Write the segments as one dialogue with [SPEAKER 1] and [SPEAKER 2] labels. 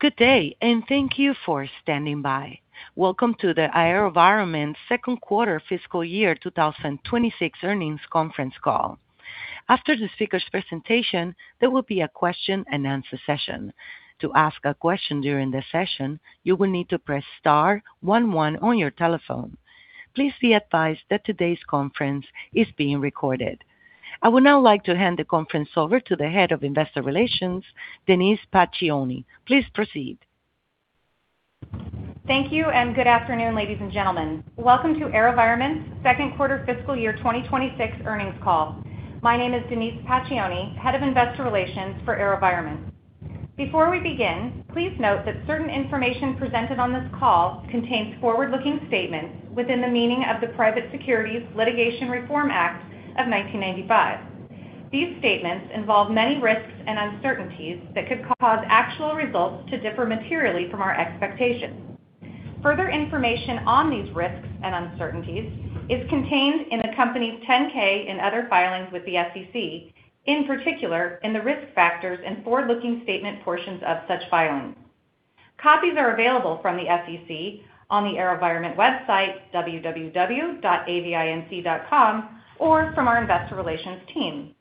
[SPEAKER 1] Good day, and thank you for standing by. Welcome to the AeroVironment Second Quarter Fiscal Year 2026 Earnings Conference Call. After the speaker's presentation, there will be a question-and-answer session. To ask a question during the session, you will need to press star 11 on your telephone. Please be advised that today's conference is being recorded. I would now like to hand the conference over to the Head of Investor Relations, Denise Pacioni. Please proceed.
[SPEAKER 2] Thank you, and good afternoon, ladies and gentlemen. Welcome to AeroVironment Q2 Fiscal Year 2026 Earnings Call. My name is Denise Pacioni, Head of Investor Relations for AeroVironment. Before we begin, please note that certain information presented on this call contains forward-looking statements within the meaning of the Private Securities Litigation Reform Act of 1995. These statements involve many risks and uncertainties that could cause actual results to differ materially from our expectations. Further information on these risks and uncertainties is contained in the company's 10-K and other filings with the SEC, in particular in the risk factors and forward-looking statement portions of such filings. Copies are available from the SEC on the AeroVironment website, www.avinc.com, or from our Investor Relations team.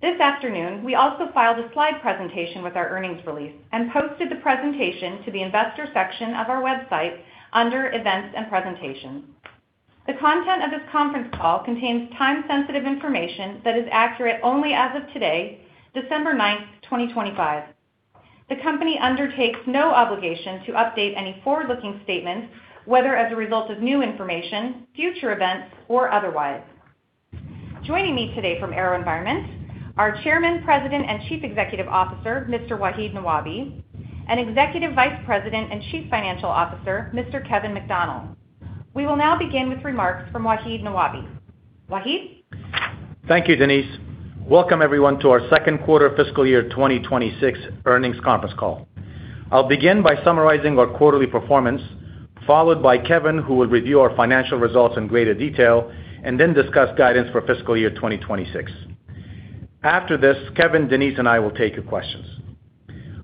[SPEAKER 2] This afternoon, we also filed a slide presentation with our earnings release and posted the presentation to the Investor section of our website under Events and Presentations. The content of this conference call contains time-sensitive information that is accurate only as of today, December 9, 2025. The company undertakes no obligation to update any forward-looking statements, whether as a result of new information, future events, or otherwise. Joining me today from AeroVironment are Chairman, President, and Chief Executive Officer, Mr. Wahid Nawabi, and Executive Vice President and Chief Financial Officer, Mr. Kevin McDonnell. We will now begin with remarks from Wahid Nawabi. Wahid?
[SPEAKER 3] Thank you, Denise. Welcome, everyone, to our Q2 Fiscal Year 2026 Earnings Conference Call. I'll begin by summarizing our quarterly performance, followed by Kevin, who will review our financial results in greater detail, and then discuss guidance for Fiscal Year 2026. After this, Kevin, Denise, and I will take your questions.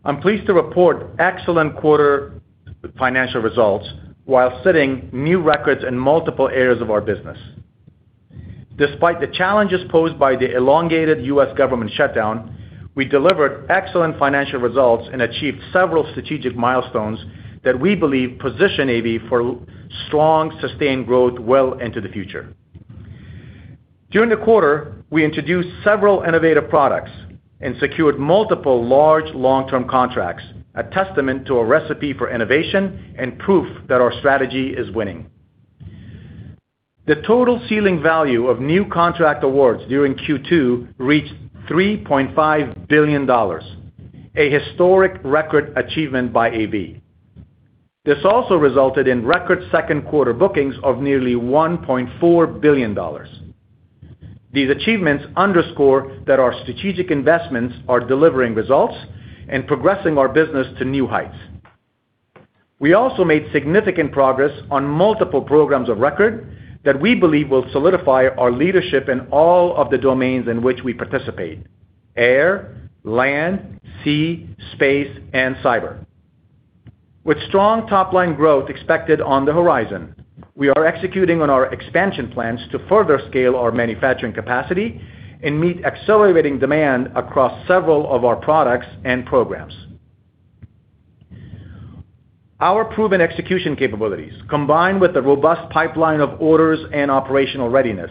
[SPEAKER 3] I'm pleased to report excellent quarterly financial results while setting new records in multiple areas of our business. Despite the challenges posed by the elongated U.S. government shutdown, we delivered excellent financial results and achieved several strategic milestones that we believe position AV for strong, sustained growth well into the future. During the quarter, we introduced several innovative products and secured multiple large long-term contracts, a testament to a recipe for innovation and proof that our strategy is winning. The total ceiling value of new contract awards during Q2 reached $3.5 billion, a historic record achievement by AV. This also resulted in record Q2 bookings of nearly $1.4 billion. These achievements underscore that our strategic investments are delivering results and progressing our business to new heights. We also made significant progress on multiple programs of record that we believe will solidify our leadership in all of the domains in which we participate: air, land, sea, space, and cyber. With strong top-line growth expected on the horizon, we are executing on our expansion plans to further scale our manufacturing capacity and meet accelerating demand across several of our products and programs. Our proven execution capabilities, combined with the robust pipeline of orders and operational readiness,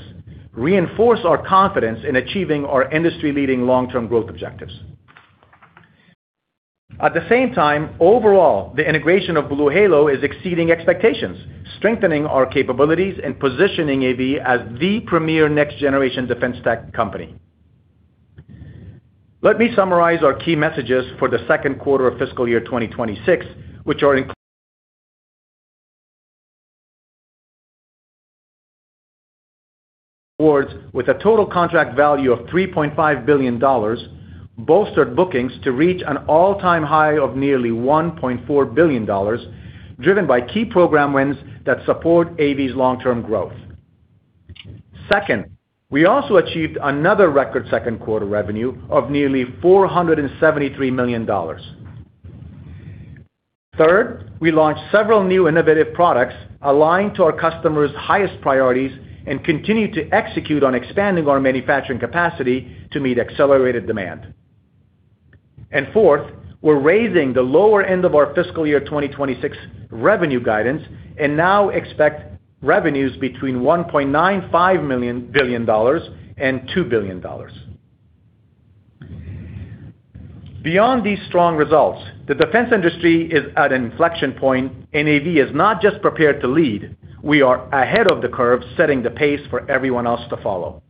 [SPEAKER 3] reinforce our confidence in achieving our industry-leading long-term growth objectives. At the same time, overall, the integration of BlueHalo is exceeding expectations, strengthening our capabilities and positioning AV as the premier next-generation defense tech company. Let me summarize our key messages for the Q2 of Fiscal Year 2026, which are awards with a total contract value of $3.5 billion, bolstered bookings to reach an all-time high of nearly $1.4 billion, driven by key program wins that support AV's long-term growth. Second, we also achieved another record Q2 revenue of nearly $473 million. Third, we launched several new innovative products aligned to our customers' highest priorities and continue to execute on expanding our manufacturing capacity to meet accelerated demand. And fourth, we're raising the lower end of our Fiscal Year 2026 revenue guidance and now expect revenues between $1.95 billion and $2 billion. Beyond these strong results, the defense industry is at an inflection point, and AV is not just prepared to lead. We are ahead of the curve, setting the pace for everyone else to follow.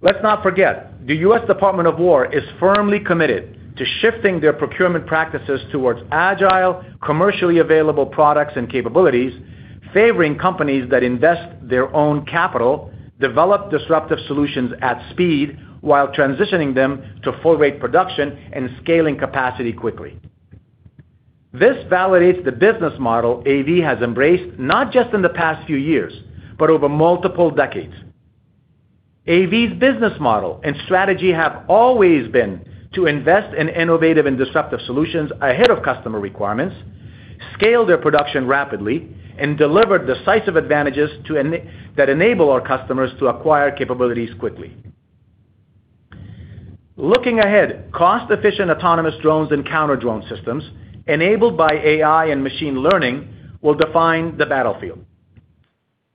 [SPEAKER 3] Let's not forget, the U.S. Department of War is firmly committed to shifting their procurement practices towards agile, commercially available products and capabilities, favoring companies that invest their own capital, develop disruptive solutions at speed, while transitioning them to full-rate production and scaling capacity quickly. This validates the business model AV has embraced not just in the past few years, but over multiple decades. AV's business model and strategy have always been to invest in innovative and disruptive solutions ahead of customer requirements, scale their production rapidly, and deliver decisive advantages that enable our customers to acquire capabilities quickly. Looking ahead, cost-efficient autonomous drones and counter-drone systems enabled by AI and machine learning will define the battlefield.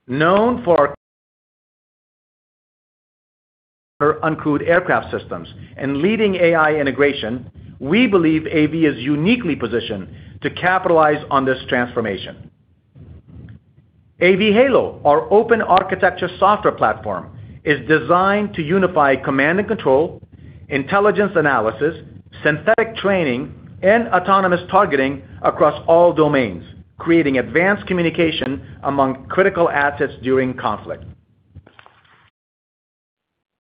[SPEAKER 3] Known for uncrewed aircraft systems and leading AI integration, we believe AV is uniquely positioned to capitalize on this transformation. AV Halo, our open architecture software platform, is designed to unify command and control, intelligence analysis, synthetic training, and autonomous targeting across all domains, creating advanced communication among critical assets during conflict.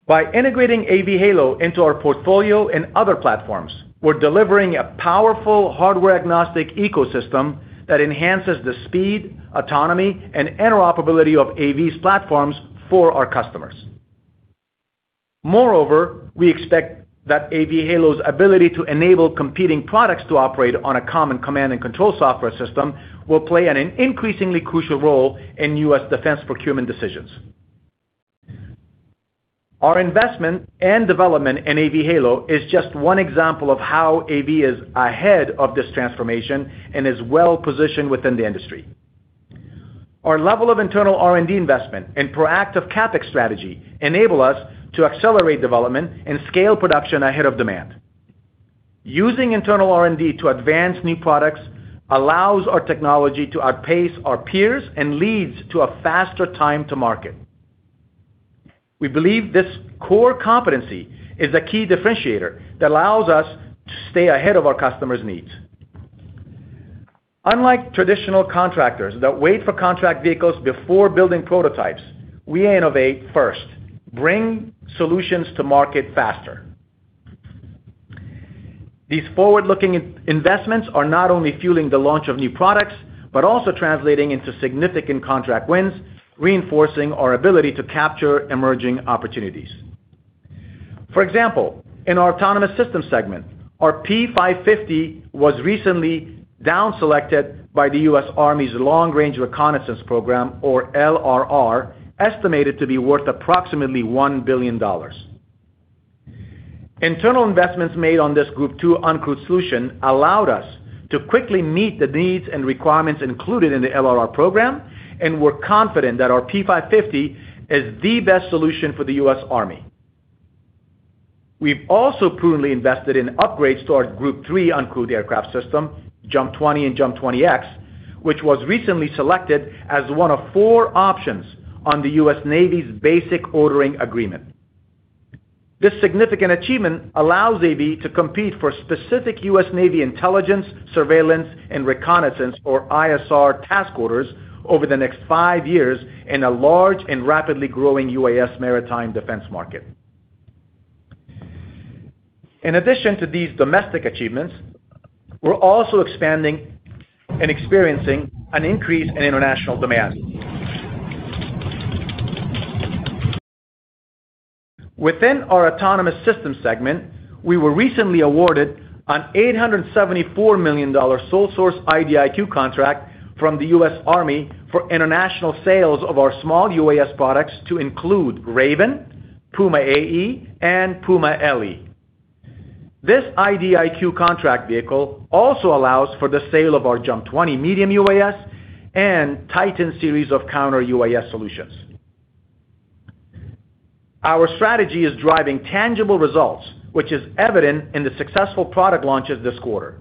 [SPEAKER 3] By integrating AV Halo into our portfolio and other platforms, we're delivering a powerful hardware-agnostic ecosystem that enhances the speed, autonomy, and interoperability of AV's platforms for our customers. Moreover, we expect that AV Halo's ability to enable competing products to operate on a common command and control software system will play an increasingly crucial role in U.S. defense procurement decisions. Our investment and development in AV Halo is just one example of how AV is ahead of this transformation and is well-positioned within the industry. Our level of internal R&D investment and proactive CapEx strategy enable us to accelerate development and scale production ahead of demand. Using internal R&D to advance new products allows our technology to outpace our peers and leads to a faster time to market. We believe this core competency is a key differentiator that allows us to stay ahead of our customers' needs. Unlike traditional contractors that wait for contract vehicles before building prototypes, we innovate first, bringing solutions to market faster. These forward-looking investments are not only fueling the launch of new products but also translating into significant contract wins, reinforcing our ability to capture emerging opportunities. For example, in our Autonomous Systems segment, our P550 was recently down-selected by the U.S. Army's Long-Range Reconnaissance Program, or LRR, estimated to be worth approximately $1 billion. Internal investments made on this Group 2 uncrewed solution allowed us to quickly meet the needs and requirements included in the LRR program, and we're confident that our P550 is the best solution for the U.S. Army. We've also prudently invested in upgrades to our Group 3 uncrewed aircraft system, JUMP 20 and JUMP 20X, which was recently selected as one of four options on the U.S. Navy's basic ordering agreement. This significant achievement allows AV to compete for specific U.S. Navy intelligence, surveillance, and reconnaissance, or ISR, task orders over the next five years in a large and rapidly growing UAS maritime defense market. In addition to these domestic achievements, we're also expanding and experiencing an increase in international demand. Within our autonomous systems segment, we were recently awarded an $874 million sole-source IDIQ contract from the US Army for international sales of our small UAS products to include Raven, Puma AE, and Puma LE. This IDIQ contract vehicle also allows for the sale of our JUMP 20 medium UAS and Titan series of counter UAS solutions. Our strategy is driving tangible results, which is evident in the successful product launches this quarter.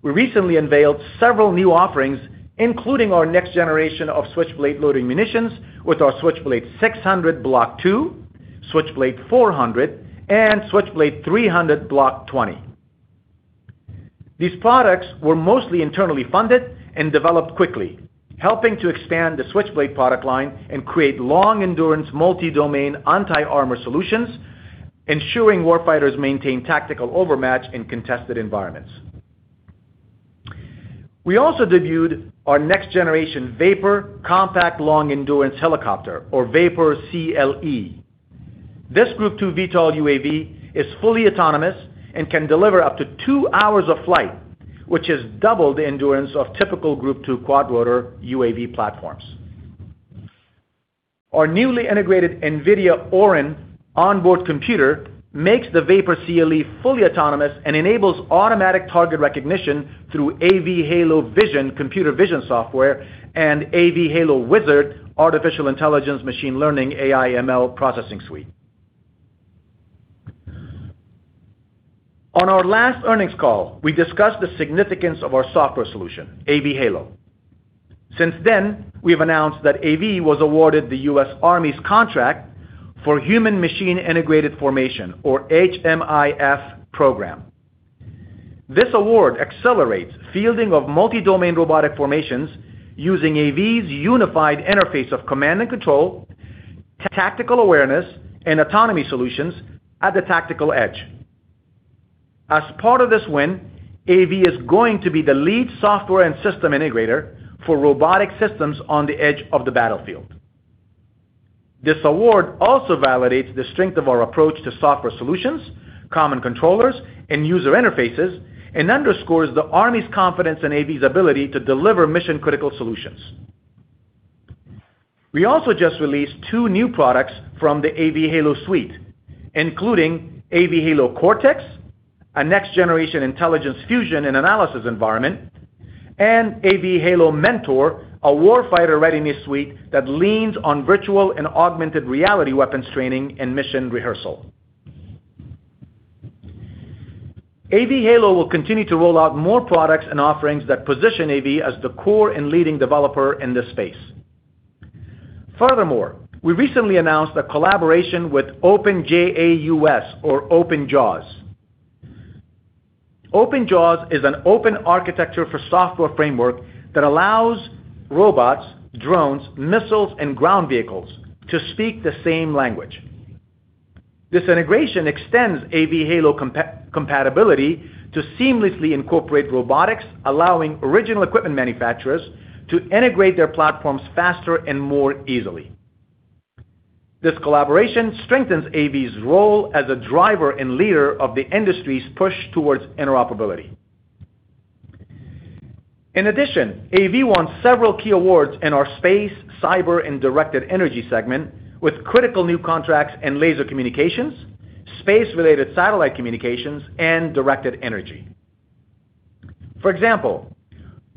[SPEAKER 3] We recently unveiled several new offerings, including our next generation of Switchblade loitering munitions with our Switchblade 600 Block 2, Switchblade 400, and Switchblade 300 Block 20. These products were mostly internally funded and developed quickly, helping to expand the Switchblade product line and create long-endurance, multi-domain, anti-armor solutions, ensuring warfighters maintain tactical overmatch in contested environments. We also debuted our next-generation VAPOR Compact Long-Endurance Helicopter, or VAPOR CLE. This Group 2 VTOL UAV is fully autonomous and can deliver up to two hours of flight, which is double the endurance of typical Group 2 quadrotor UAV platforms. Our newly integrated NVIDIA Orin onboard computer makes the VAPOR CLE fully autonomous and enables automatic target recognition through AV Halo Vision computer vision software and AV Halo Wizard artificial intelligence machine learning AI/ML processing suite. On our last earnings call, we discussed the significance of our software solution, AV Halo. Since then, we have announced that AV was awarded the U.S. Army's contract for Human-Machine Integrated Formation, or HMIF program. This award accelerates fielding of multi-domain robotic formations using AV's unified interface of command and control, tactical awareness, and autonomy solutions at the tactical edge. As part of this win, AV is going to be the lead software and system integrator for robotic systems on the edge of the battlefield. This award also validates the strength of our approach to software solutions, common controllers, and user interfaces, and underscores the Army's confidence in AV's ability to deliver mission-critical solutions. We also just released two new products from the AV Halo suite, including AV Halo Cortex, a next-generation intelligence fusion and analysis environment, and AV Halo Mentor, a warfighter-readiness suite that leans on virtual and augmented reality weapons training and mission rehearsal. AV Halo will continue to roll out more products and offerings that position AV as the core and leading developer in this space. Furthermore, we recently announced a collaboration with OpenJAUS, or OpenJAWS. OpenJAWS is an open architecture for software framework that allows robots, drones, missiles, and ground vehicles to speak the same language. This integration extends AV Halo compatibility to seamlessly incorporate robotics, allowing original equipment manufacturers to integrate their platforms faster and more easily. This collaboration strengthens AV's role as a driver and leader of the industry's push towards interoperability. In addition, AV won several key awards in our space, cyber, and directed energy segment with critical new contracts in laser communications, space-related satellite communications, and directed energy. For example,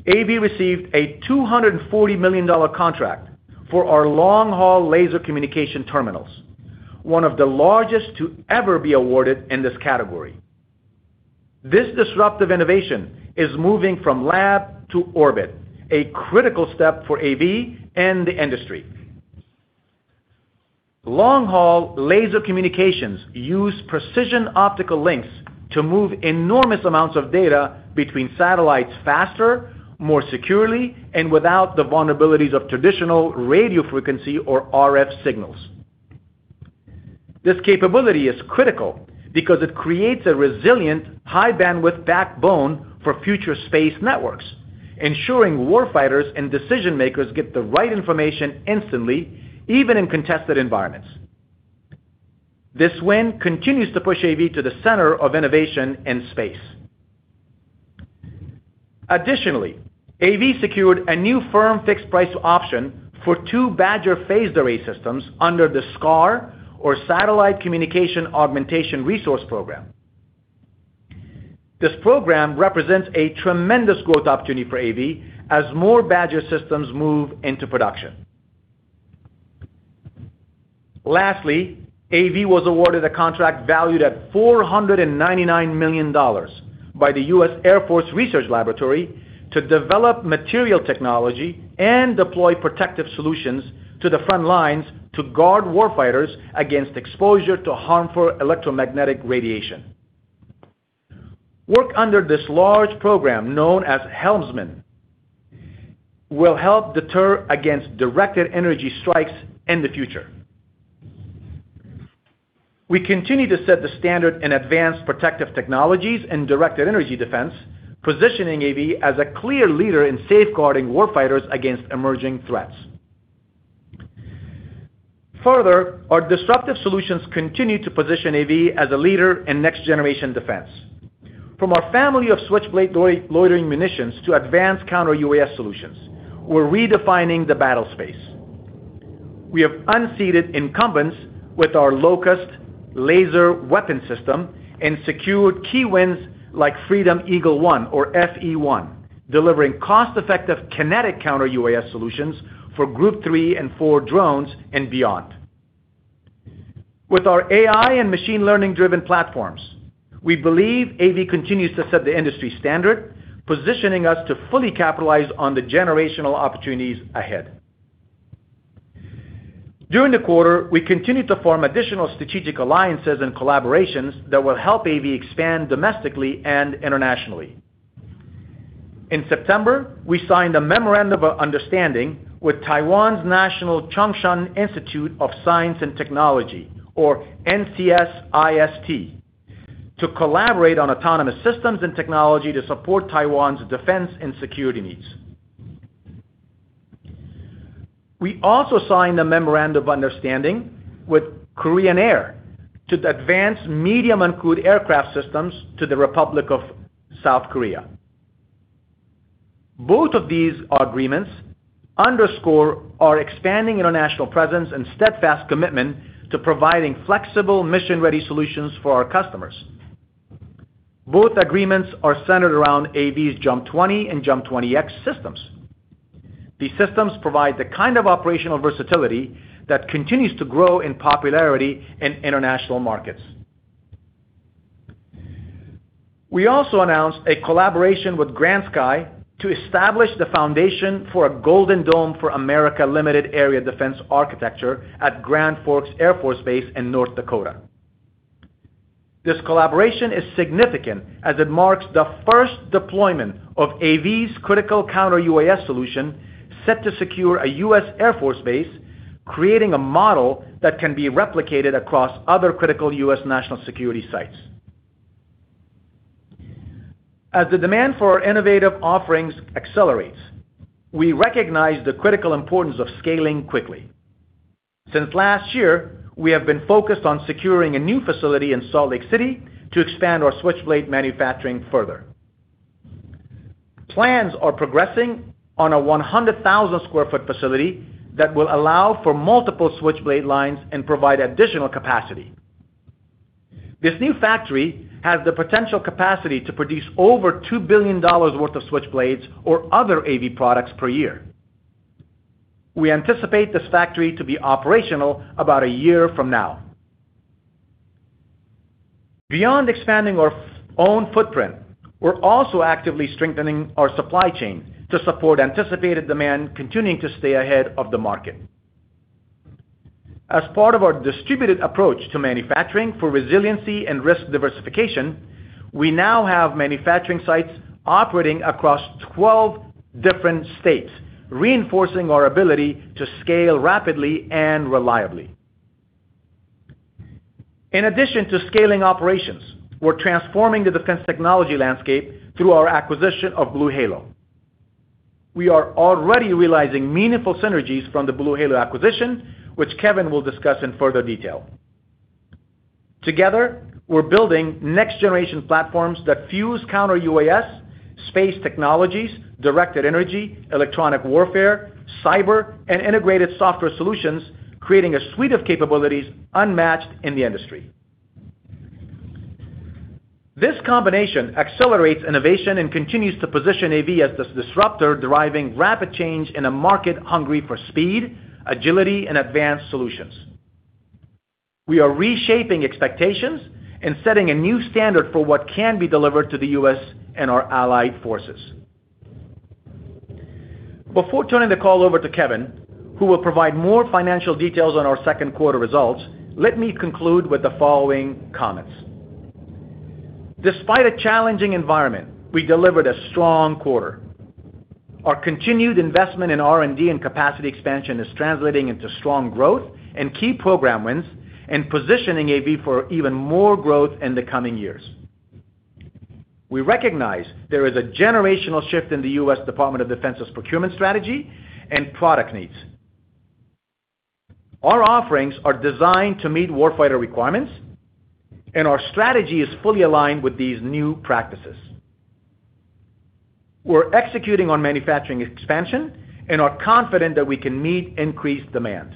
[SPEAKER 3] AV received a $240 million contract for our long-haul laser communication terminals, one of the largest to ever be awarded in this category. This disruptive innovation is moving from lab to orbit, a critical step for AV and the industry. Long-haul laser communications use precision optical links to move enormous amounts of data between satellites faster, more securely, and without the vulnerabilities of traditional radio frequency or RF signals. This capability is critical because it creates a resilient high-bandwidth backbone for future space networks, ensuring warfighters and decision-makers get the right information instantly, even in contested environments. This win continues to push AV to the center of innovation in space. Additionally, AV secured a new firm fixed-price option for two BADGER phased-array systems under the SCAR, or Satellite Communication Augmentation Resource Program. This program represents a tremendous growth opportunity for AV as more BADGER systems move into production. Lastly, AV was awarded a contract valued at $499 million by the U.S. Air Force Research Laboratory to develop material technology and deploy protective solutions to the front lines to guard warfighters against exposure to harmful electromagnetic radiation. Work under this large program, known as Helmsman, will help deter against directed energy strikes in the future. We continue to set the standard in advanced protective technologies and directed energy defense, positioning AV as a clear leader in safeguarding warfighters against emerging threats. Further, our disruptive solutions continue to position AV as a leader in next-generation defense. From our family of Switchblade loitering munitions to advanced counter-UAS solutions, we're redefining the battle space. We have unseated incumbents with our LOCUST laser weapon system and secured key wins like Freedom Eagle One, or FE1, delivering cost-effective kinetic counter-UAS solutions for Group 3 and 4 drones and beyond. With our AI and machine learning-driven platforms, we believe AV continues to set the industry standard, positioning us to fully capitalize on the generational opportunities ahead. During the quarter, we continue to form additional strategic alliances and collaborations that will help AV expand domestically and internationally. In September, we signed a memorandum of understanding with Taiwan's National Chung-Shan Institute of Science and Technology, or NCSIST, to collaborate on autonomous systems and technology to support Taiwan's defense and security needs. We also signed a memorandum of understanding with Korean Air to advance medium uncrewed aircraft systems to the Republic of South Korea. Both of these agreements underscore our expanding international presence and steadfast commitment to providing flexible, mission-ready solutions for our customers. Both agreements are centered around AV's JUMP 20 and JUMP 20X systems. These systems provide the kind of operational versatility that continues to grow in popularity in international markets. We also announced a collaboration with Grand Sky to establish the foundation for a Golden Dome for America Limited Area Defense Architecture at Grand Forks Air Force Base in North Dakota. This collaboration is significant as it marks the first deployment of AV's critical counter-UAS solution set to secure a U.S. Air Force Base, creating a model that can be replicated across other critical U.S. national security sites. As the demand for our innovative offerings accelerates, we recognize the critical importance of scaling quickly. Since last year, we have been focused on securing a new facility in Salt Lake City to expand our Switchblade manufacturing further. Plans are progressing on a 100,000 sq ft facility that will allow for multiple Switchblade lines and provide additional capacity. This new factory has the potential capacity to produce over $2 billion worth of Switchblades or other AV products per year. We anticipate this factory to be operational about a year from now. Beyond expanding our own footprint, we're also actively strengthening our supply chain to support anticipated demand continuing to stay ahead of the market. As part of our distributed approach to manufacturing for resiliency and risk diversification, we now have manufacturing sites operating across 12 different states, reinforcing our ability to scale rapidly and reliably. In addition to scaling operations, we're transforming the defense technology landscape through our acquisition of BlueHalo. We are already realizing meaningful synergies from the BlueHalo acquisition, which Kevin will discuss in further detail. Together, we're building next-generation platforms that fuse counter-UAS, space technologies, directed energy, electronic warfare, cyber, and integrated software solutions, creating a suite of capabilities unmatched in the industry. This combination accelerates innovation and continues to position AV as this disruptor driving rapid change in a market hungry for speed, agility, and advanced solutions. We are reshaping expectations and setting a new standard for what can be delivered to the U.S. and our allied forces. Before turning the call over to Kevin, who will provide more financial details on our Q2 results, let me conclude with the following comments. Despite a challenging environment, we delivered a strong quarter. Our continued investment in R&D and capacity expansion is translating into strong growth and key program wins and positioning AV for even more growth in the coming years. We recognize there is a generational shift in the U.S. Department of Defense's procurement strategy and product needs. Our offerings are designed to meet warfighter requirements, and our strategy is fully aligned with these new practices. We're executing on manufacturing expansion, and we're confident that we can meet increased demand.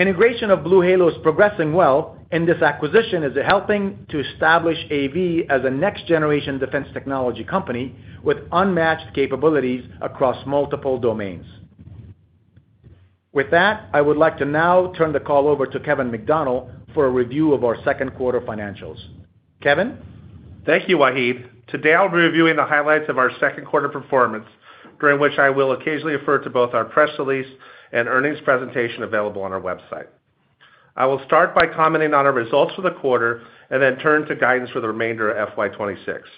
[SPEAKER 3] Integration of BlueHalo is progressing well, and this acquisition is helping to establish AV as a next-generation defense technology company with unmatched capabilities across multiple domains. With that, I would like to now turn the call over to Kevin McDonnell for a review of our Q2 financials. Kevin. Thank you, Wahid.
[SPEAKER 4] Today, I'll be reviewing the highlights of our Q2 performance, during which I will occasionally refer to both our press release and earnings presentation available on our website. I will start by commenting on our results for the quarter and then turn to guidance for the remainder of FY 2026.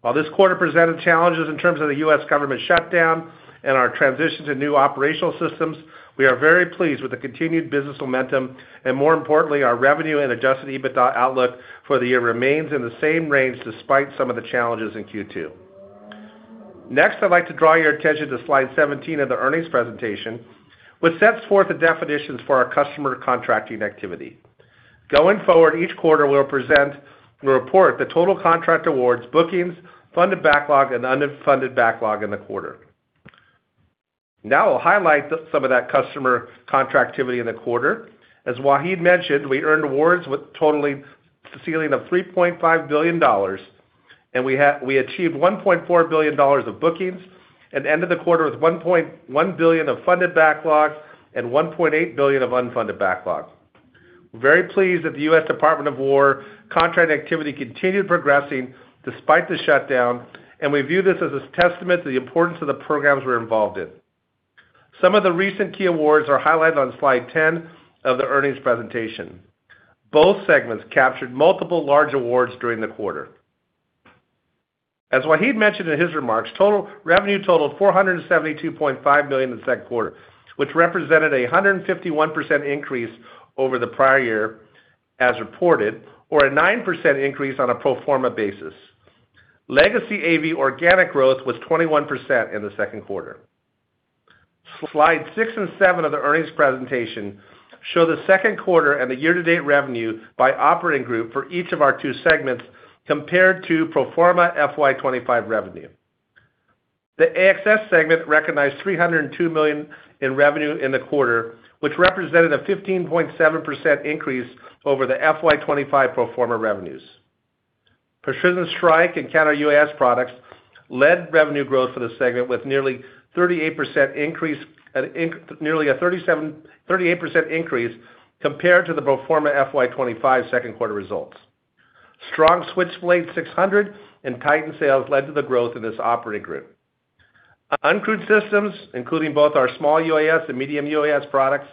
[SPEAKER 4] While this quarter presented challenges in terms of the U.S. government shutdown and our transition to new operational systems, we are very pleased with the continued business momentum and, more importantly, our revenue and adjusted EBITDA outlook for the year remains in the same range despite some of the challenges in Q2. Next, I'd like to draw your attention to slide 17 of the earnings presentation, which sets forth the definitions for our customer contracting activity. Going forward, each quarter, we'll present the report, the total contract awards, bookings, funded backlog, and unfunded backlog in the quarter. Now, I'll highlight some of that customer contract activity in the quarter. As Wahid mentioned, we earned awards with a total ceiling of $3.5 billion, and we achieved $1.4 billion of bookings and ended the quarter with $1.1 billion of funded backlog and $1.8 billion of unfunded backlog. We're very pleased that the U.S. Department of War contract activity continued progressing despite the shutdown, and we view this as a testament to the importance of the programs we're involved in. Some of the recent key awards are highlighted on slide 10 of the earnings presentation. Both segments captured multiple large awards during the quarter. As Wahid mentioned in his remarks, revenue totaled $472.5 million in the Q2, which represented a 151% increase over the prior year, as reported, or a 9% increase on a pro forma basis. Legacy AV organic growth was 21% in the Q2. Slide 6 and 7 of the earnings presentation show the Q2 and the year-to-date revenue by operating group for each of our two segments compared to pro forma FY 2025 revenue. The AXS segment recognized $302 million in revenue in the quarter, which represented a 15.7% increase over the FY 2025 pro forma revenues. Precision strike and counter-UAS products led revenue growth for the segment with nearly a 38% increase compared to the pro forma FY 2025 Q2 results. Strong Switchblade 600 and Titan sales led to the growth in this operating group. Uncrewed systems, including both our small UAS and medium UAS products,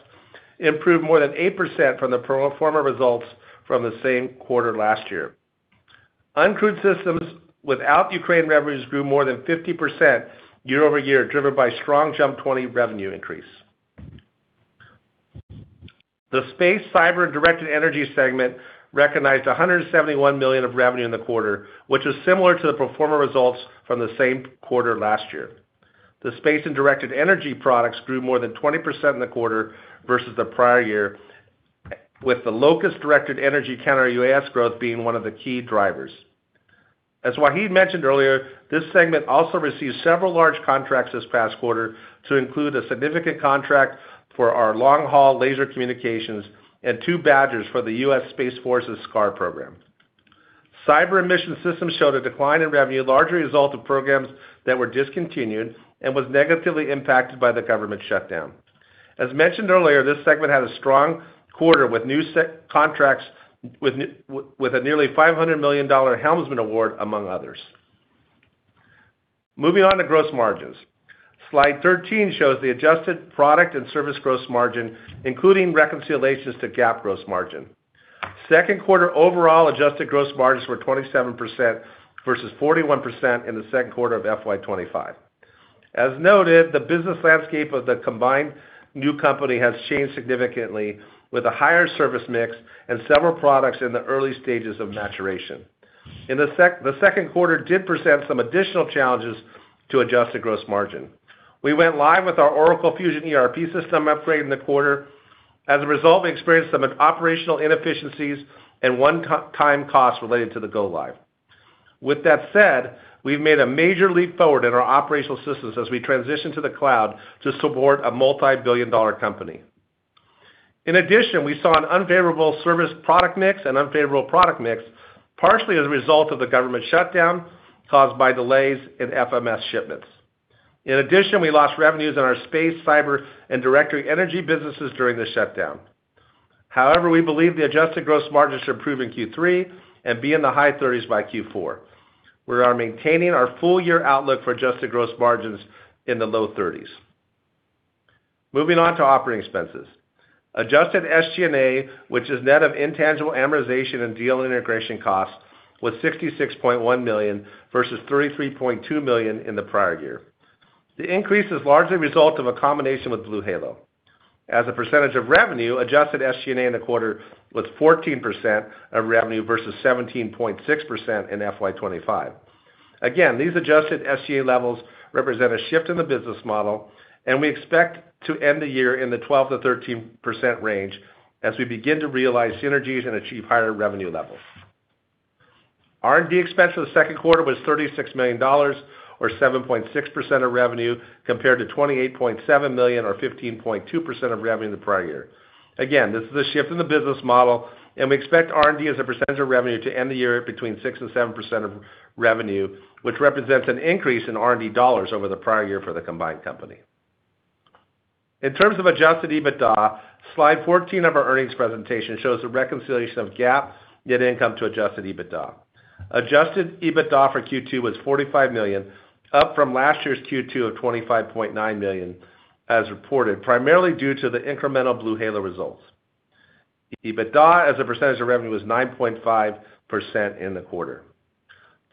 [SPEAKER 4] improved more than 8% from the pro forma results from the same quarter last year. Uncrewed systems without Ukraine revenues grew more than 50% year-over-year, driven by strong JUMP 20 revenue increase. The space, cyber, and directed energy segment recognized $171 million of revenue in the quarter, which was similar to the pro forma results from the same quarter last year. The space and directed energy products grew more than 20% in the quarter versus the prior year, with the LOCUST directed energy counter-UAS growth being one of the key drivers. As Wahid mentioned earlier, this segment also received several large contracts this past quarter, to include a significant contract for our long-haul laser communications and two BADGERs for the U.S. Space Force's SCAR program. Cyber emission systems showed a decline in revenue, largely a result of programs that were discontinued and was negatively impacted by the government shutdown. As mentioned earlier, this segment had a strong quarter with new contracts with a nearly $500 million Helmsman award, among others. Moving on to gross margins. Slide 13 shows the adjusted product and service gross margin, including reconciliations to GAAP gross margin. Second quarter overall adjusted gross margins were 27% versus 41% in the Q2 of FY 2025. As noted, the business landscape of the combined new company has changed significantly, with a higher service mix and several products in the early stages of maturation. In the Q2, it did present some additional challenges to adjust the gross margin. We went live with our Oracle Fusion ERP system upgrade in the quarter. As a result, we experienced some operational inefficiencies and one-time costs related to the go-live. With that said, we've made a major leap forward in our operational systems as we transitioned to the cloud to support a multi-billion dollar company. In addition, we saw an unfavorable service product mix and unfavorable product mix, partially as a result of the government shutdown caused by delays in FMS shipments. In addition, we lost revenues in our space, cyber, and directed energy businesses during the shutdown. However, we believe the adjusted gross margins are improving in Q3 and to be in the high 30s% by Q4. We are maintaining our full-year outlook for adjusted gross margins in the low 30s%. Moving on to operating expenses. Adjusted SG&A, which is net of intangible amortization and deal integration costs, was $66.1 million versus $33.2 million in the prior year. The increase is largely a result of a combination with BlueHalo. As a percentage of revenue, adjusted SG&A in the quarter was 14% of revenue versus 17.6% in FY 2025. Again, these adjusted SG&A levels represent a shift in the business model, and we expect to end the year in the 12-13% range as we begin to realize synergies and achieve higher revenue levels. R&D expense for the Q2 was $36 million, or 7.6% of revenue, compared to $28.7 million, or 15.2% of revenue in the prior year. Again, this is a shift in the business model, and we expect R&D as a percentage of revenue to end the year between 6%-7 of revenue, which represents an increase in R&D dollars over the prior year for the combined company. In terms of adjusted EBITDA, slide 14 of our earnings presentation shows the reconciliation of GAAP net income to adjusted EBITDA. Adjusted EBITDA for Q2 was $45 million, up from last year's Q2 of $25.9 million, as reported, primarily due to the incremental BlueHalo results. EBITDA as a percentage of revenue was 9.5% in the quarter.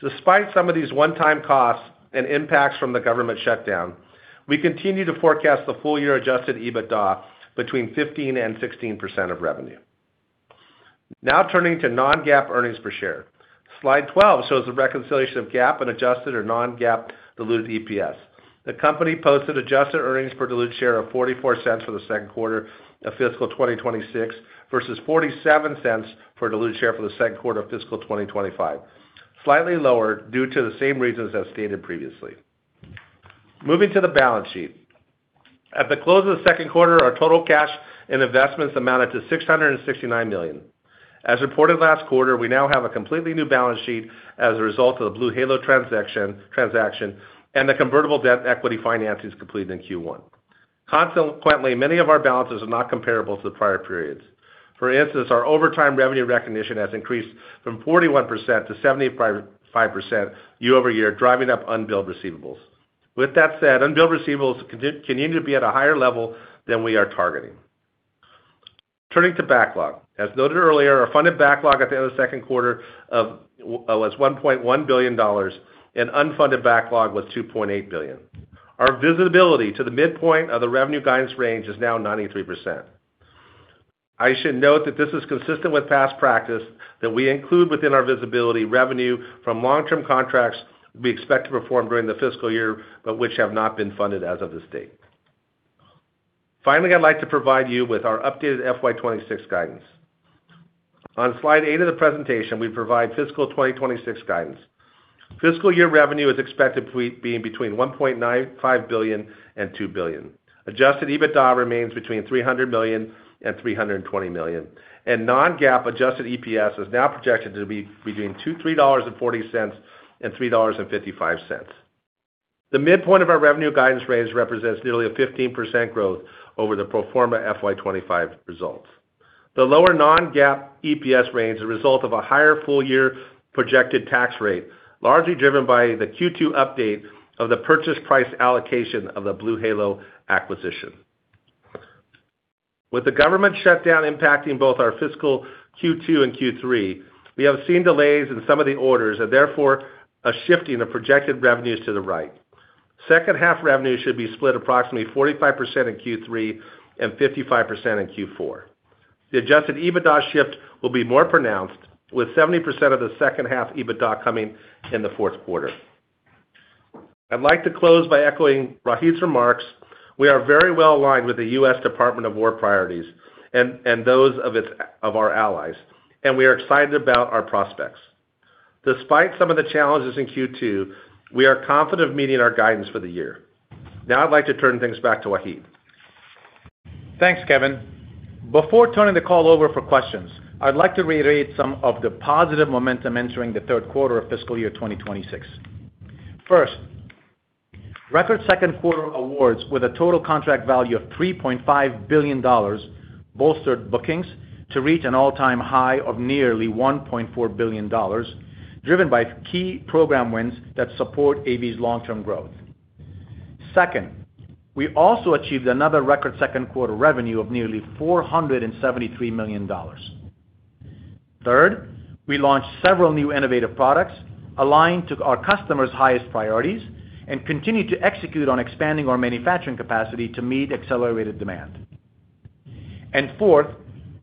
[SPEAKER 4] Despite some of these one-time costs and impacts from the government shutdown, we continue to forecast the full-year Adjusted EBITDA between 15%-16 of revenue. Now turning to non-GAAP earnings per share. Slide 12 shows the reconciliation of GAAP and adjusted or non-GAAP diluted EPS. The company posted adjusted earnings per diluted share of $0.44 for the Q2 of fiscal 2026 versus $0.47 for diluted share for the Q2 of fiscal 2025, slightly lower due to the same reasons as stated previously. Moving to the balance sheet. At the close of the Q2, our total cash and investments amounted to $669 million. As reported last quarter, we now have a completely new balance sheet as a result of the BlueHalo transaction and the convertible debt equity financing completed in Q1. Consequently, many of our balances are not comparable to the prior periods. For instance, our over time revenue recognition has increased from 41% to 75 year-over-year, driving up unbilled receivables. With that said, unbilled receivables continue to be at a higher level than we are targeting. Turning to backlog. As noted earlier, our funded backlog at the end of the Q2 was $1.1 billion, and unfunded backlog was $2.8 billion. Our visibility to the midpoint of the revenue guidance range is now 93%. I should note that this is consistent with past practice that we include within our visibility revenue from long-term contracts we expect to perform during the fiscal year, but which have not been funded as of this date. Finally, I'd like to provide you with our updated FY 2026 guidance. On slide 8 of the presentation, we provide fiscal 2026 guidance. Fiscal year revenue is expected to be between $1.95 billion and $2 billion. Adjusted EBITDA remains between $300 million and $320 million, and non-GAAP adjusted EPS is now projected to be between $3.40 and 3.55. The midpoint of our revenue guidance range represents nearly a 15% growth over the pro forma FY 2025 results. The lower non-GAAP EPS range is a result of a higher full-year projected tax rate, largely driven by the Q2 update of the purchase price allocation of the BlueHalo acquisition. With the government shutdown impacting both our fiscal Q2 and Q3, we have seen delays in some of the orders and therefore a shifting of projected revenues to the right. Second-half revenues should be split approximately 45% in Q3 and 55% in Q4. The adjusted EBITDA shift will be more pronounced, with 70% of the second-half EBITDA coming in the Q4. I'd like to close by echoing Wahid's remarks. We are very well aligned with the U.S. Department of War priorities and those of our allies, and we are excited about our prospects. Despite some of the challenges in Q2, we are confident of meeting our guidance for the year. Now, I'd like to turn things back to Wahid. Thanks, Kevin. Before turning the call over for questions, I'd like to reiterate some of the positive momentum entering the third Q3 of fiscal year 2026. First, record Q2 awards with a total contract value of $3.5 billion bolstered bookings to reach an all-time high of nearly $1.4 billion, driven by key program wins that support AV's long-term growth. Second, we also achieved another record Q2 revenue of nearly $473 million. Third, we launched several new innovative products aligned to our customers' highest priorities and continue to execute on expanding our manufacturing capacity to meet accelerated demand. And fourth,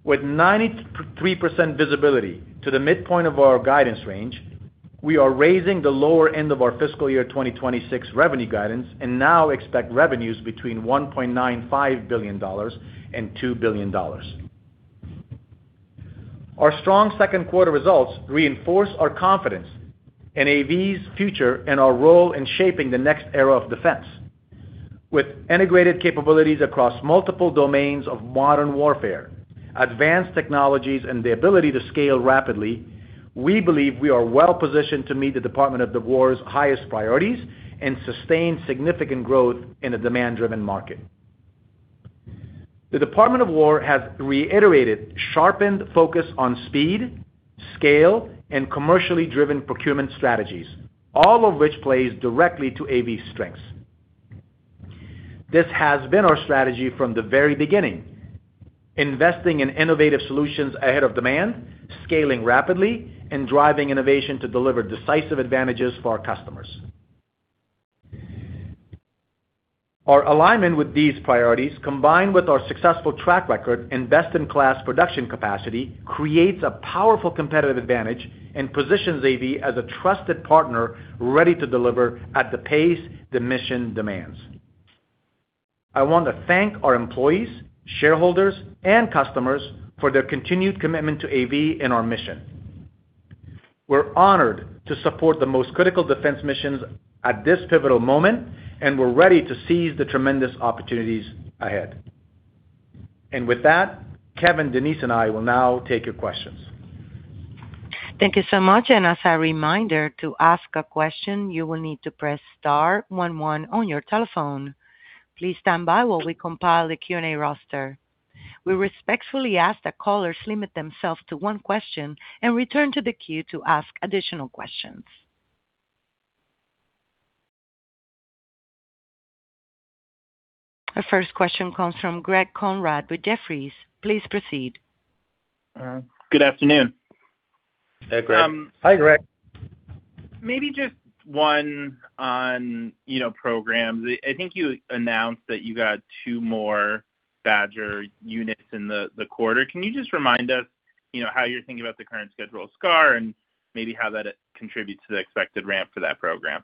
[SPEAKER 4] with 93% visibility to the midpoint of our guidance range, we are raising the lower end of our fiscal year 2026 revenue guidance and now expect revenues between $1.95 billion and $2 billion. Our strong Q2 results reinforce our confidence in AV's future and our role in shaping the next era of defense. With integrated capabilities across multiple domains of modern warfare, advanced technologies, and the ability to scale rapidly, we believe we are well positioned to meet the Department of the War's highest priorities and sustain significant growth in a demand-driven market. The Department of War has reiterated sharpened focus on speed, scale, and commercially driven procurement strategies, all of which plays directly to AV's strengths. This has been our strategy from the very beginning, investing in innovative solutions ahead of demand, scaling rapidly, and driving innovation to deliver decisive advantages for our customers. Our alignment with these priorities, combined with our successful track record and best-in-class production capacity, creates a powerful competitive advantage and positions AV as a trusted partner ready to deliver at the pace the mission demands. I want to thank our employees, shareholders, and customers for their continued commitment to AV and our mission. We're honored to support the most critical defense missions at this pivotal moment, and we're ready to seize the tremendous opportunities ahead. And with that, Kevin, Denise, and I will now take your questions.
[SPEAKER 1] Thank you so much. And as a reminder to ask a question, you will need to press star one one on your telephone. Please stand by while we compile the Q&A roster. We respectfully ask that callers limit themselves to one question and return to the queue to ask additional questions. Our first question comes from Greg Konrad with Jefferies. Please proceed.
[SPEAKER 5] Good afternoon. Hey, Greg. Hi, Greg. Maybe just one on programs. I think you announced that you got two more BADGER units in the quarter. Can you just remind us how you're thinking about the current schedule of SCAR and maybe how that contributes to the expected ramp for that program?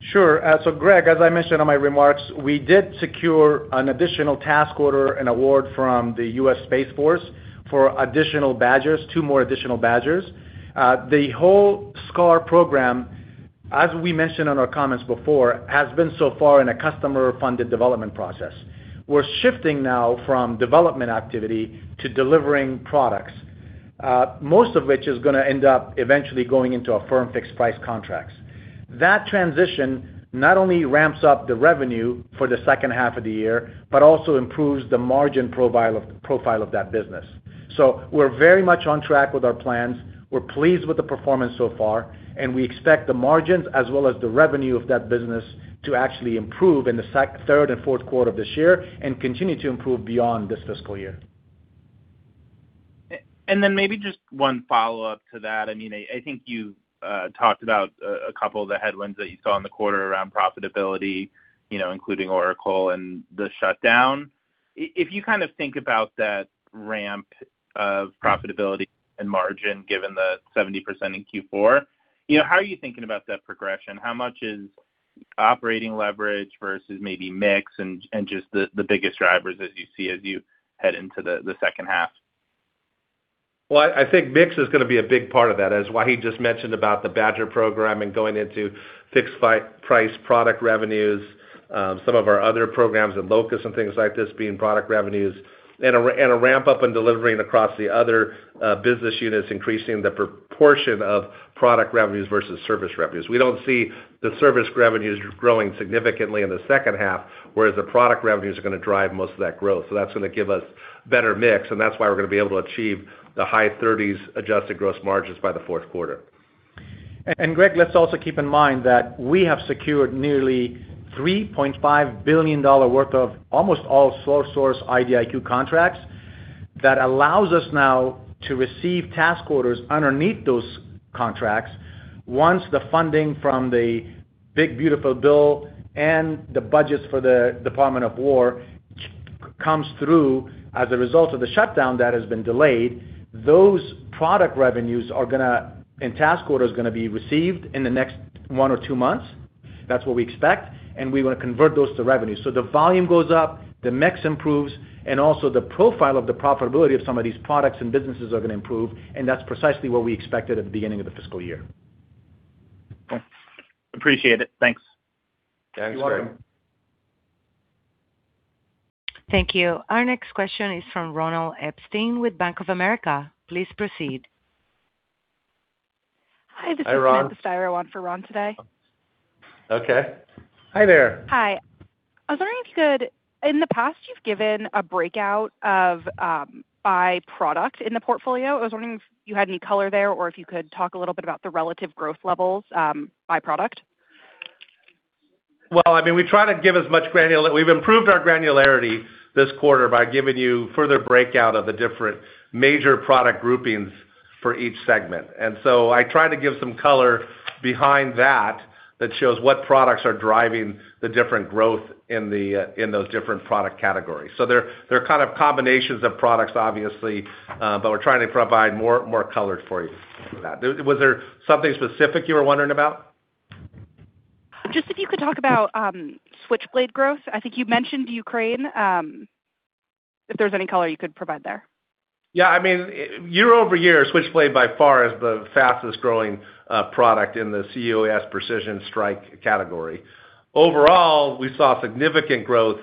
[SPEAKER 3] Sure. So Greg, as I mentioned in my remarks, we did secure an additional task order and award from the U.S. Space Force for additional BADGERs, two more additional BADGERs. The whole SCAR program, as we mentioned in our comments before, has been so far in a customer-funded development process. We're shifting now from development activity to delivering products, most of which is going to end up eventually going into a firm fixed-price contract. That transition not only ramps up the revenue for the second half of the year, but also improves the margin profile of that business. So we're very much on track with our plans. We're pleased with the performance so far, and we expect the margins as well as the revenue of that business to actually improve in the third and Q4 of this year and continue to improve beyond this fiscal year.
[SPEAKER 5] And then maybe just one follow-up to that. I mean, I think you talked about a couple of the headwinds that you saw in the quarter around profitability, including Oracle and the shutdown. If you kind of think about that ramp of profitability and margin given the 70% in Q4, how are you thinking about that progression? How much is operating leverage versus maybe mix and just the biggest drivers as you see as you head into the second half?
[SPEAKER 4] I think mix is going to be a big part of that, as Wahid just mentioned about the BADGER program and going into fixed-price product revenues, some of our other programs and LOCUST and things like this being product revenues, and a ramp-up in delivering across the other business units, increasing the proportion of product revenues versus service revenues. We don't see the service revenues growing significantly in the second half, whereas the product revenues are going to drive most of that growth. So that's going to give us better mix, and that's why we're going to be able to achieve the high 30s adjusted gross margins by the Q4.
[SPEAKER 3] And Greg, let's also keep in mind that we have secured nearly $3.5 billion worth of almost all sole-source IDIQ contracts that allows us now to receive task orders underneath those contracts. Once the funding from the big beautiful bill and the budgets for the Department of War comes through as a result of the shutdown that has been delayed, those product revenues are going to, and task orders are going to be received in the next one or two months. That's what we expect, and we want to convert those to revenue. So the volume goes up, the mix improves, and also the profile of the profitability of some of these products and businesses are going to improve, and that's precisely what we expected at the beginning of the fiscal year.
[SPEAKER 5] Appreciate it. Thanks.
[SPEAKER 3] Thanks, Greg.
[SPEAKER 1] You're welcome. Thank you. Our next question is from Ronald Epstein with Bank of America. Please proceed. Hi, this is Ms. Thirawan for Ron today.
[SPEAKER 3] Okay. Hi there. Hi. I was wondering if you could, in the past, you've given a breakout by product in the portfolio. I was wondering if you had any color there or if you could talk a little bit about the relative growth levels by product. Well, I mean, we try to give as much granularity. We've improved our granularity this quarter by giving you further breakout of the different major product groupings for each segment. And so I tried to give some color behind that that shows what products are driving the different growth in those different product categories. So they're kind of combinations of products, obviously, but we're trying to provide more color for you on that. Was there something specific you were wondering about? Just if you could talk about Switchblade growth. I think you mentioned Ukraine. If there's any color, you could provide there. Yeah. I mean, year over year, Switchblade by far is the fastest-growing product in the C-UAS precision strike category. Overall, we saw significant growth,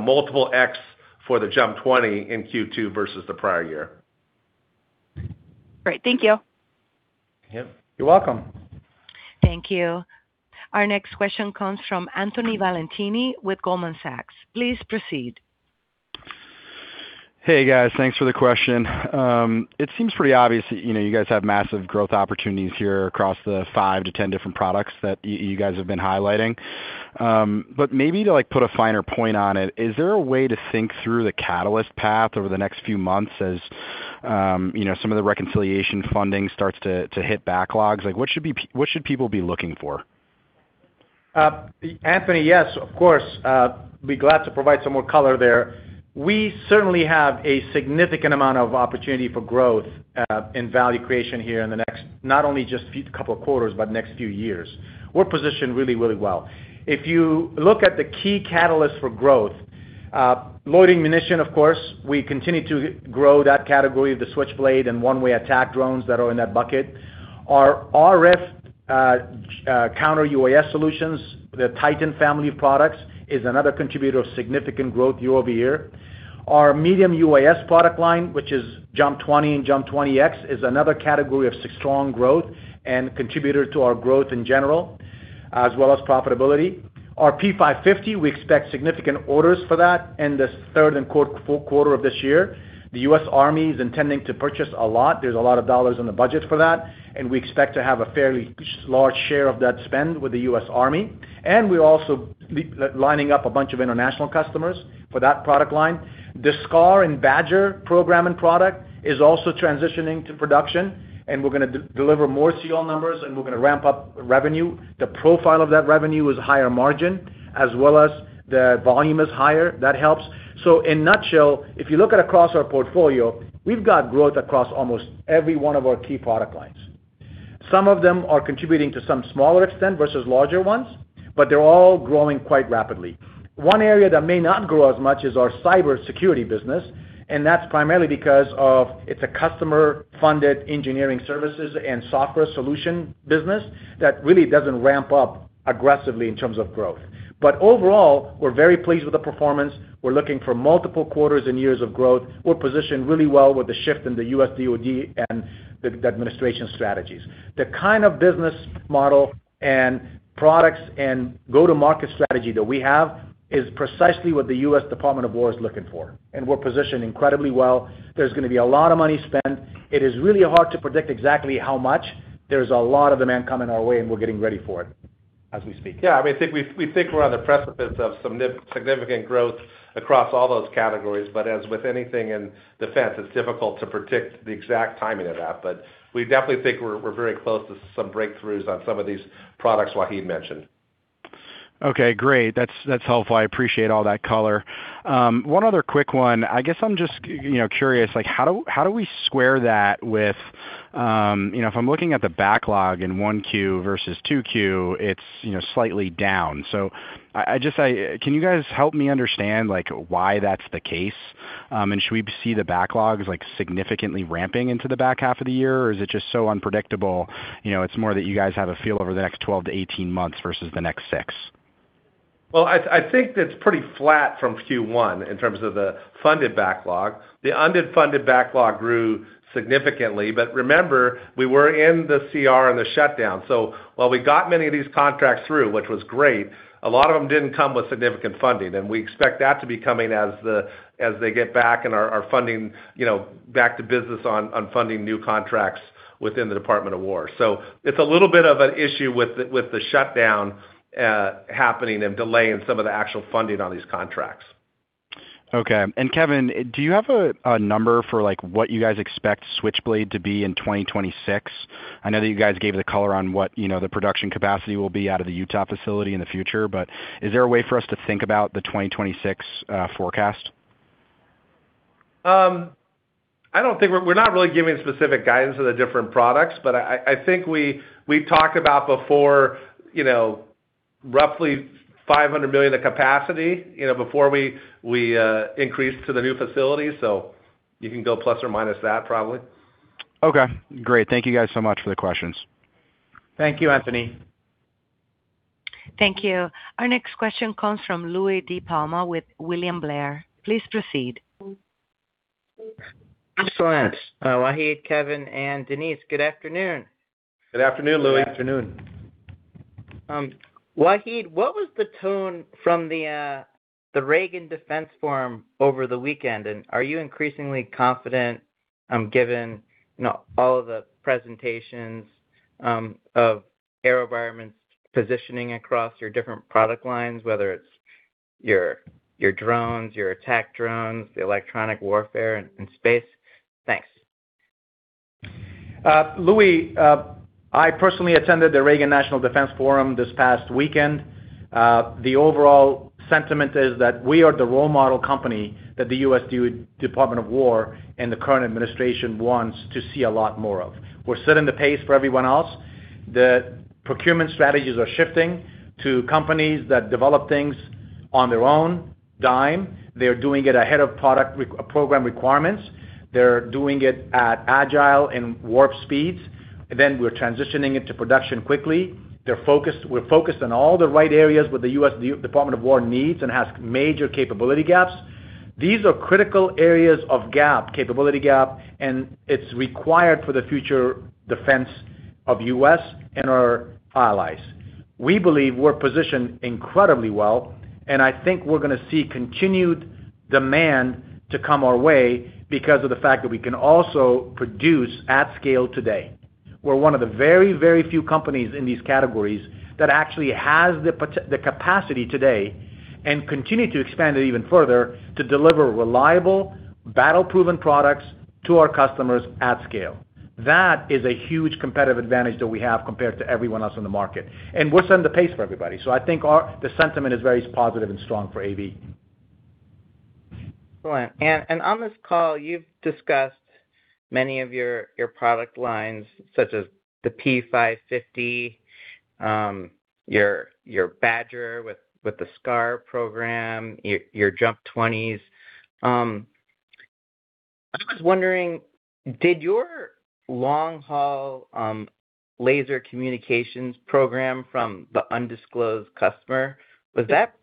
[SPEAKER 3] multiple X for the JUMP 20 in Q2 versus the prior year. Great. Thank you. Yep. You're welcome.
[SPEAKER 1] Thank you. Our next question comes from Anthony Valentini with Goldman Sachs. Please proceed.
[SPEAKER 6] Hey, guys. Thanks for the question. It seems pretty obvious that you guys have massive growth opportunities here across the 5 to 10 different products that you guys have been highlighting. But maybe to put a finer point on it, is there a way to think through the catalyst path over the next few months as some of the reconciliation funding starts to hit backlogs? What should people be looking for?
[SPEAKER 3] Anthony, yes, of course. We'd be glad to provide some more color there. We certainly have a significant amount of opportunity for growth and value creation here in the next, not only just a couple of quarters, but next few years. We're positioned really, really well. If you look at the key catalysts for growth, loitering munition, of course, we continue to grow that category of the Switchblade and one-way attack drones that are in that bucket. Our RF counter UAS solutions, the Titan family of products, is another contributor of significant growth year over year. Our medium UAS product line, which is JUMP 20 and JUMP 20X, is another category of strong growth and contributor to our growth in general, as well as profitability. Our P550, we expect significant orders for that in the third and Q4 of this year. The U.S. Army is intending to purchase a lot. There's a lot of dollars in the budget for that, and we expect to have a fairly large share of that spend with the U.S. Army, and we're also lining up a bunch of international customers for that product line. The SCAR and BADGER program and product is also transitioning to production, and we're going to deliver more real numbers, and we're going to ramp up revenue. The profile of that revenue is higher margin, as well as the volume is higher. That helps. So in a nutshell, if you look at across our portfolio, we've got growth across almost every one of our key product lines. Some of them are contributing to some smaller extent versus larger ones, but they're all growing quite rapidly. One area that may not grow as much is our cybersecurity business, and that's primarily because it's a customer-funded engineering services and software solution business that really doesn't ramp up aggressively in terms of growth. But overall, we're very pleased with the performance. We're looking for multiple quarters and years of growth. We're positioned really well with the shift in the U.S. DoD and the administration strategies. The kind of business model and products and go-to-market strategy that we have is precisely what the US Department of War is looking for, and we're positioned incredibly well. There's going to be a lot of money spent. It is really hard to predict exactly how much. There's a lot of demand coming our way, and we're getting ready for it as we speak.
[SPEAKER 4] Yeah. I mean, I think we think we're on the precipice of some significant growth across all those categories, but as with anything in defense, it's difficult to predict the exact timing of that. But we definitely think we're very close to some breakthroughs on some of these products Wahid mentioned.
[SPEAKER 6] Okay. Great. That's helpful. I appreciate all that color. One other quick one. I guess I'm just curious, how do we square that with if I'm looking at the backlog in Q1 versus Q2 it's slightly down. So can you guys help me understand why that's the case? Should we see the backlogs significantly ramping into the back half of the year, or is it just so unpredictable? It's more that you guys have a feel over the next 12 to 18 months versus the next six.
[SPEAKER 3] I think it's pretty flat from Q1 in terms of the funded backlog. The unfunded backlog grew significantly. Remember, we were in the CR and the shutdown. While we got many of these contracts through, which was great, a lot of them didn't come with significant funding, and we expect that to be coming as they get back and are funding back to business on funding new contracts within the Department of Defense. It's a little bit of an issue with the shutdown happening and delaying some of the actual funding on these contracts.
[SPEAKER 6] Okay. And Kevin, do you have a number for what you guys expect Switchblade to be in 2026? I know that you guys gave the color on what the production capacity will be out of the Utah facility in the future, but is there a way for us to think about the 2026 forecast?
[SPEAKER 4] I don't think we're not really giving specific guidance on the different products, but I think we talked about before roughly $500 million of capacity before we increase to the new facility. So you can go plus or minus that probably.
[SPEAKER 6] Okay. Great. Thank you guys so much for the questions.
[SPEAKER 4] Thank you, Anthony.
[SPEAKER 1] Thank you. Our next question comes from Louie DiPalma with William Blair. Please proceed.
[SPEAKER 7] Excellent. Wahid, Kevin, and Denise, good afternoon.
[SPEAKER 3] Good afternoon, Louie. Good afternoon.
[SPEAKER 7] Wahid, what was the tone from the Reagan Defense Forum over the weekend? Are you increasingly confident given all of the presentations of AeroVironment's positioning across your different product lines, whether it's your drones, your attack drones, the electronic warfare in space? Thanks.
[SPEAKER 3] Louie, I personally attended the Reagan National Defense Forum this past weekend. The overall sentiment is that we are the role model company that the U.S. Department of War and the current administration wants to see a lot more of. We're setting the pace for everyone else. The procurement strategies are shifting to companies that develop things on their own dime. They're doing it ahead of product program requirements. They're doing it at agile and warp speeds. Then we're transitioning into production quickly. We're focused on all the right areas where the U.S. Department of War needs and has major capability gaps. These are critical areas of capability gap, and it's required for the future defense of the U.S. and our allies. We believe we're positioned incredibly well, and I think we're going to see continued demand to come our way because of the fact that we can also produce at scale today. We're one of the very, very few companies in these categories that actually has the capacity today and continue to expand it even further to deliver reliable, battle-proven products to our customers at scale. That is a huge competitive advantage that we have compared to everyone else in the market, and we're setting the pace for everybody, so I think the sentiment is very positive and strong for AV,
[SPEAKER 7] right, and on this call, you've discussed many of your product lines, such as the P550, your BADGER with the SCAR program, your JUMP 20s. I was wondering, did your long-haul laser communications program from the undisclosed customer, was that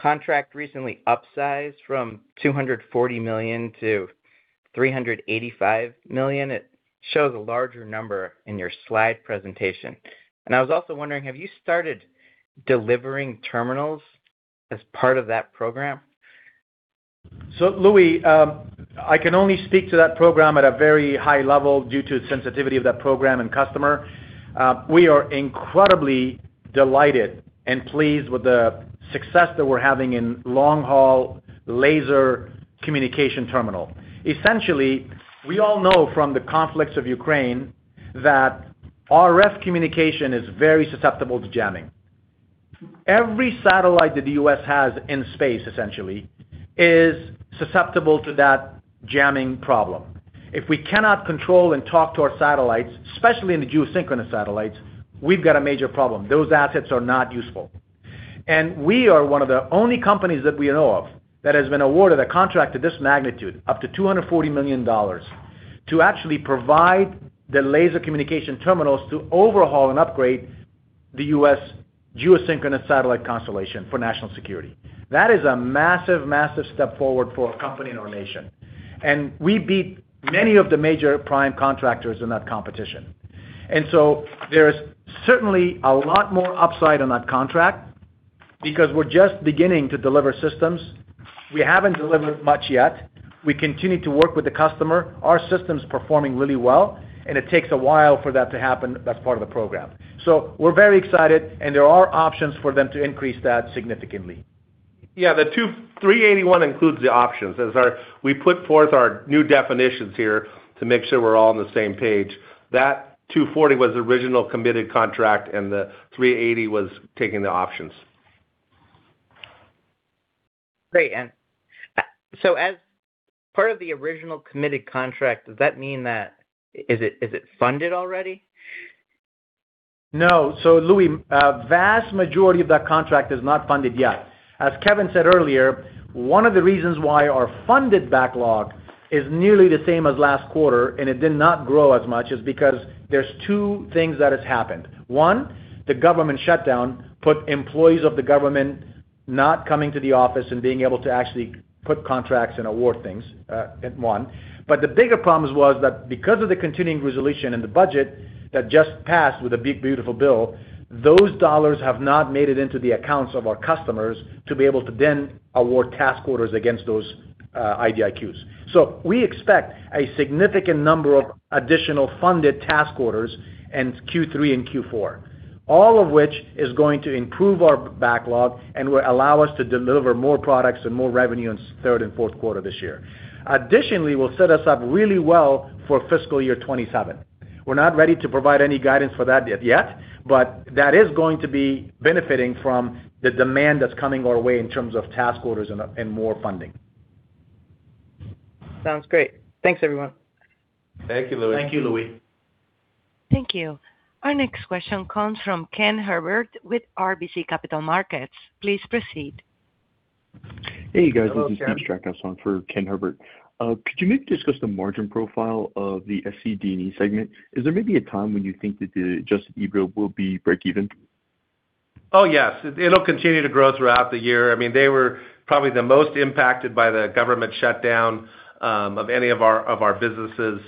[SPEAKER 7] contract recently upsized from $240 million to 385 million? It shows a larger number in your slide presentation. And I was also wondering, have you started delivering terminals as part of that program?
[SPEAKER 3] So Louie, I can only speak to that program at a very high level due to the sensitivity of that program and customer. We are incredibly delighted and pleased with the success that we're having in long-haul laser communication terminal. Essentially, we all know from the conflicts of Ukraine that RF communication is very susceptible to jamming. Every satellite that the U.S. has in space, essentially, is susceptible to that jamming problem. If we cannot control and talk to our satellites, especially in the geosynchronous satellites, we've got a major problem. Those assets are not useful. We are one of the only companies that we know of that has been awarded a contract of this magnitude, up to $240 million, to actually provide the laser communication terminals to overhaul and upgrade the U.S. geosynchronous satellite constellation for national security. That is a massive, massive step forward for a company in our nation. We beat many of the major prime contractors in that competition. There is certainly a lot more upside on that contract because we're just beginning to deliver systems. We haven't delivered much yet. We continue to work with the customer. Our system's performing really well, and it takes a while for that to happen. That's part of the program. We're very excited, and there are options for them to increase that significantly.
[SPEAKER 4] Yeah. The 381 includes the options. We put forth our new definitions here to make sure we're all on the same page. That 240 was the original committed contract, and the 380 was taking the options.
[SPEAKER 7] Great, and so as part of the original committed contract, does that mean that is it funded already?
[SPEAKER 3] No, so Louie, the vast majority of that contract is not funded yet. As Kevin said earlier, one of the reasons why our funded backlog is nearly the same as last quarter and it did not grow as much is because there's two things that have happened. One, the government shutdown put employees of the government not coming to the office and being able to actually put contracts and award things, one. But the bigger problem was that because of the continuing resolution and the budget that just passed with a big, beautiful bill, those dollars have not made it into the accounts of our customers to be able to then award task orders against those IDIQs. So we expect a significant number of additional funded task orders in Q3 and Q4, all of which is going to improve our backlog and will allow us to deliver more products and more revenue in Q3 and Q4 this year. Additionally, it will set us up really well for fiscal year 2027. We're not ready to provide any guidance for that yet, but that is going to be benefiting from the demand that's coming our way in terms of task orders and more funding. Sounds great.
[SPEAKER 7] Thanks, everyone.
[SPEAKER 3] Thank you, Louie.
[SPEAKER 4] Thank you, Louie.
[SPEAKER 1] Thank you. Our next question comes from Ken Herbert with RBC Capital Markets. Please proceed.
[SPEAKER 8] Hey, guys. This is Steve Zochowski for Ken Herbert. Could you maybe discuss the margin profile of the SCDE segment? Is there maybe a time when you think that the adjusted EBIT will be break-even?
[SPEAKER 3] Oh, yes. It'll continue to grow throughout the year. I mean, they were probably the most impacted by the government shutdown of any of our businesses.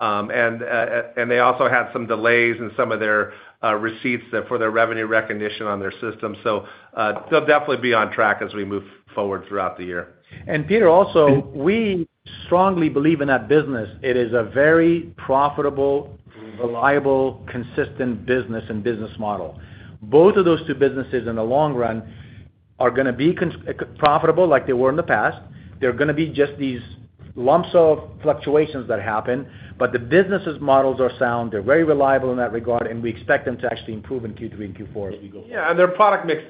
[SPEAKER 3] And they also had some delays in some of their receipts for their revenue recognition on their system. So they'll definitely be on track as we move forward throughout the year. And Steve, also, we strongly believe in that business. It is a very profitable, reliable, consistent business and business model. Both of those two businesses in the long run are going to be profitable like they were in the past. There are going to be just these lumps of fluctuations that happen, but the businesses' models are sound. They're very reliable in that regard, and we expect them to actually improve in Q3 and Q4 as we go forward. Yeah. And their product mix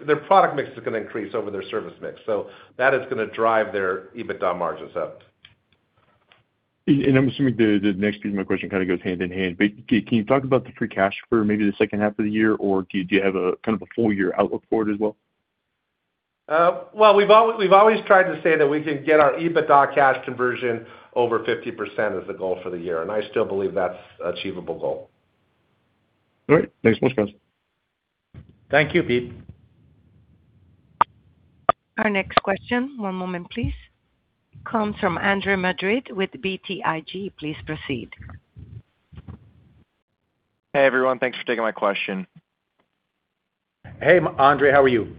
[SPEAKER 3] is going to increase over their service mix. So that is going to drive their EBITDA margins up.
[SPEAKER 8] And I'm assuming the next piece of my question kind of goes hand in hand. But can you talk about the free cash for maybe the second half of the year, or do you have kind of a full-year outlook for it as well?
[SPEAKER 3] Well, we've always tried to say that we can get our EBITDA cash conversion over 50% as the goal for the year. And I still believe that's an achievable goal.
[SPEAKER 8] All right. Thanks so much, guys.
[SPEAKER 3] Thank you, Steve.
[SPEAKER 1] Our next question. One moment, please. Comes from Andre Madrid with BTIG. Please proceed.
[SPEAKER 9] Hey, everyone. Thanks for taking my question.
[SPEAKER 3] Hey, Andre. How are you?
[SPEAKER 9] Good.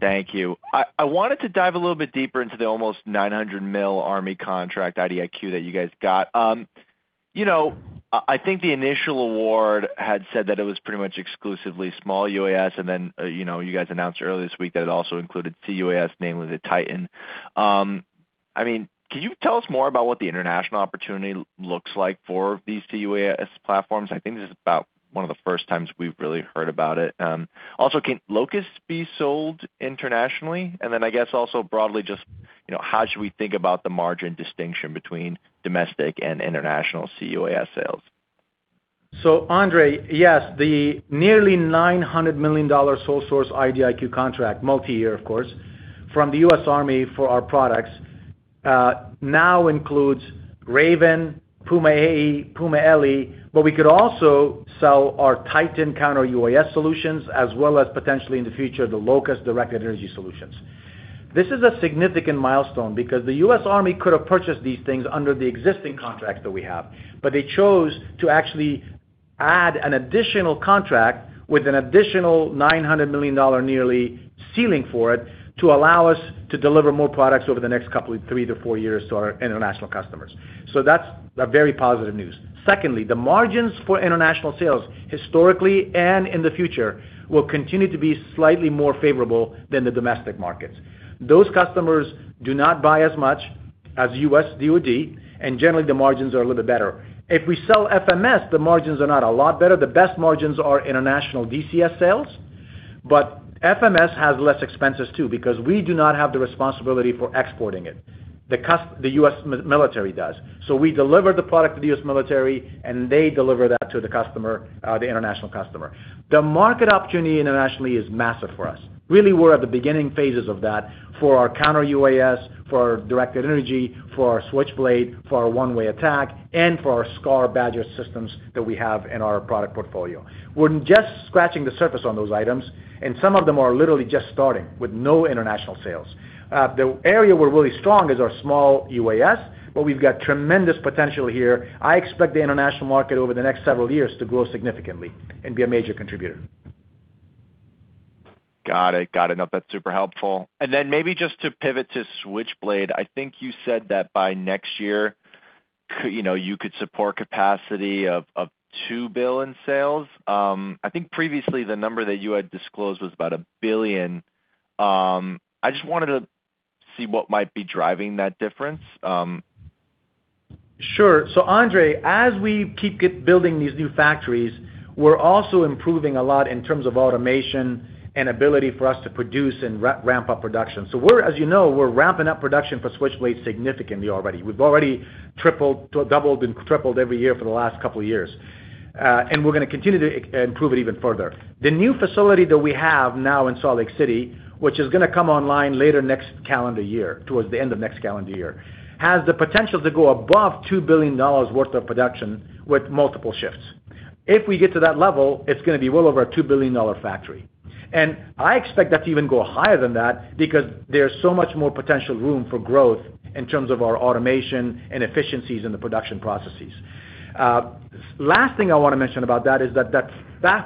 [SPEAKER 9] Thank you. I wanted to dive a little bit deeper into the almost $900 million Army contract IDIQ that you guys got. I think the initial award had said that it was pretty much exclusively small UAS, and then you guys announced earlier this week that it also included TOS, namely the Titan. I mean, can you tell us more about what the international opportunity looks like for these TUAS platforms? I think this is about one of the first times we've really heard about it. Also, can LOCUST be sold internationally? And then I guess also broadly, just how should we think about the margin distinction between domestic and international C-UAS sales?
[SPEAKER 3] So, Andre, yes. The nearly $900 million sole-source IDIQ contract, multi-year, of course, from the U.S. Army for our products now includes Raven, Puma AE, Puma LE, but we could also sell our Titan counter-UAS solutions, as well as potentially in the future, the LOCUST directed energy solutions. This is a significant milestone because the U.S. Army could have purchased these things under the existing contracts that we have, but they chose to actually add an additional nearly $900 million ceiling for it to allow us to deliver more products over the next three to four years to our international customers. So that's very positive news. Secondly, the margins for international sales, historically and in the future, will continue to be slightly more favorable than the domestic markets. Those customers do not buy as much as U.S. DoD, and generally, the margins are a little bit better. If we sell FMS, the margins are not a lot better. The best margins are international DCS sales, but FMS has less expenses too because we do not have the responsibility for exporting it. The U.S. military does. So we deliver the product to the U.S. military, and they deliver that to the customer, the international customer. The market opportunity internationally is massive for us. Really, we're at the beginning phases of that for our counter-UAS, for our directed energy, for our Switchblade, for our one-way attack, and for our SCAR, BADGER systems that we have in our product portfolio. We're just scratching the surface on those items, and some of them are literally just starting with no international sales. The area we're really strong is our small UAS, but we've got tremendous potential here. I expect the international market over the next several years to grow significantly and be a major contributor.
[SPEAKER 9] Got it. Got it. No, that's super helpful. And then maybe just to pivot to Switchblade, I think you said that by next year, you could support capacity of $2 billion sales. I think previously, the number that you had disclosed was about $1 billion. I just wanted to see what might be driving that difference.
[SPEAKER 3] Sure. So, Andre, as we keep building these new factories, we're also improving a lot in terms of automation and ability for us to produce and ramp up production. So as you know, we're ramping up production for Switchblade significantly already. We've already tripled, doubled, and tripled every year for the last couple of years. And we're going to continue to improve it even further. The new facility that we have now in Salt Lake City, which is going to come online later next calendar year, towards the end of next calendar year, has the potential to go above $2 billion worth of production with multiple shifts. If we get to that level, it's going to be well over a $2 billion factory. And I expect that to even go higher than that because there's so much more potential room for growth in terms of our automation and efficiencies in the production processes. Last thing I want to mention about that is that that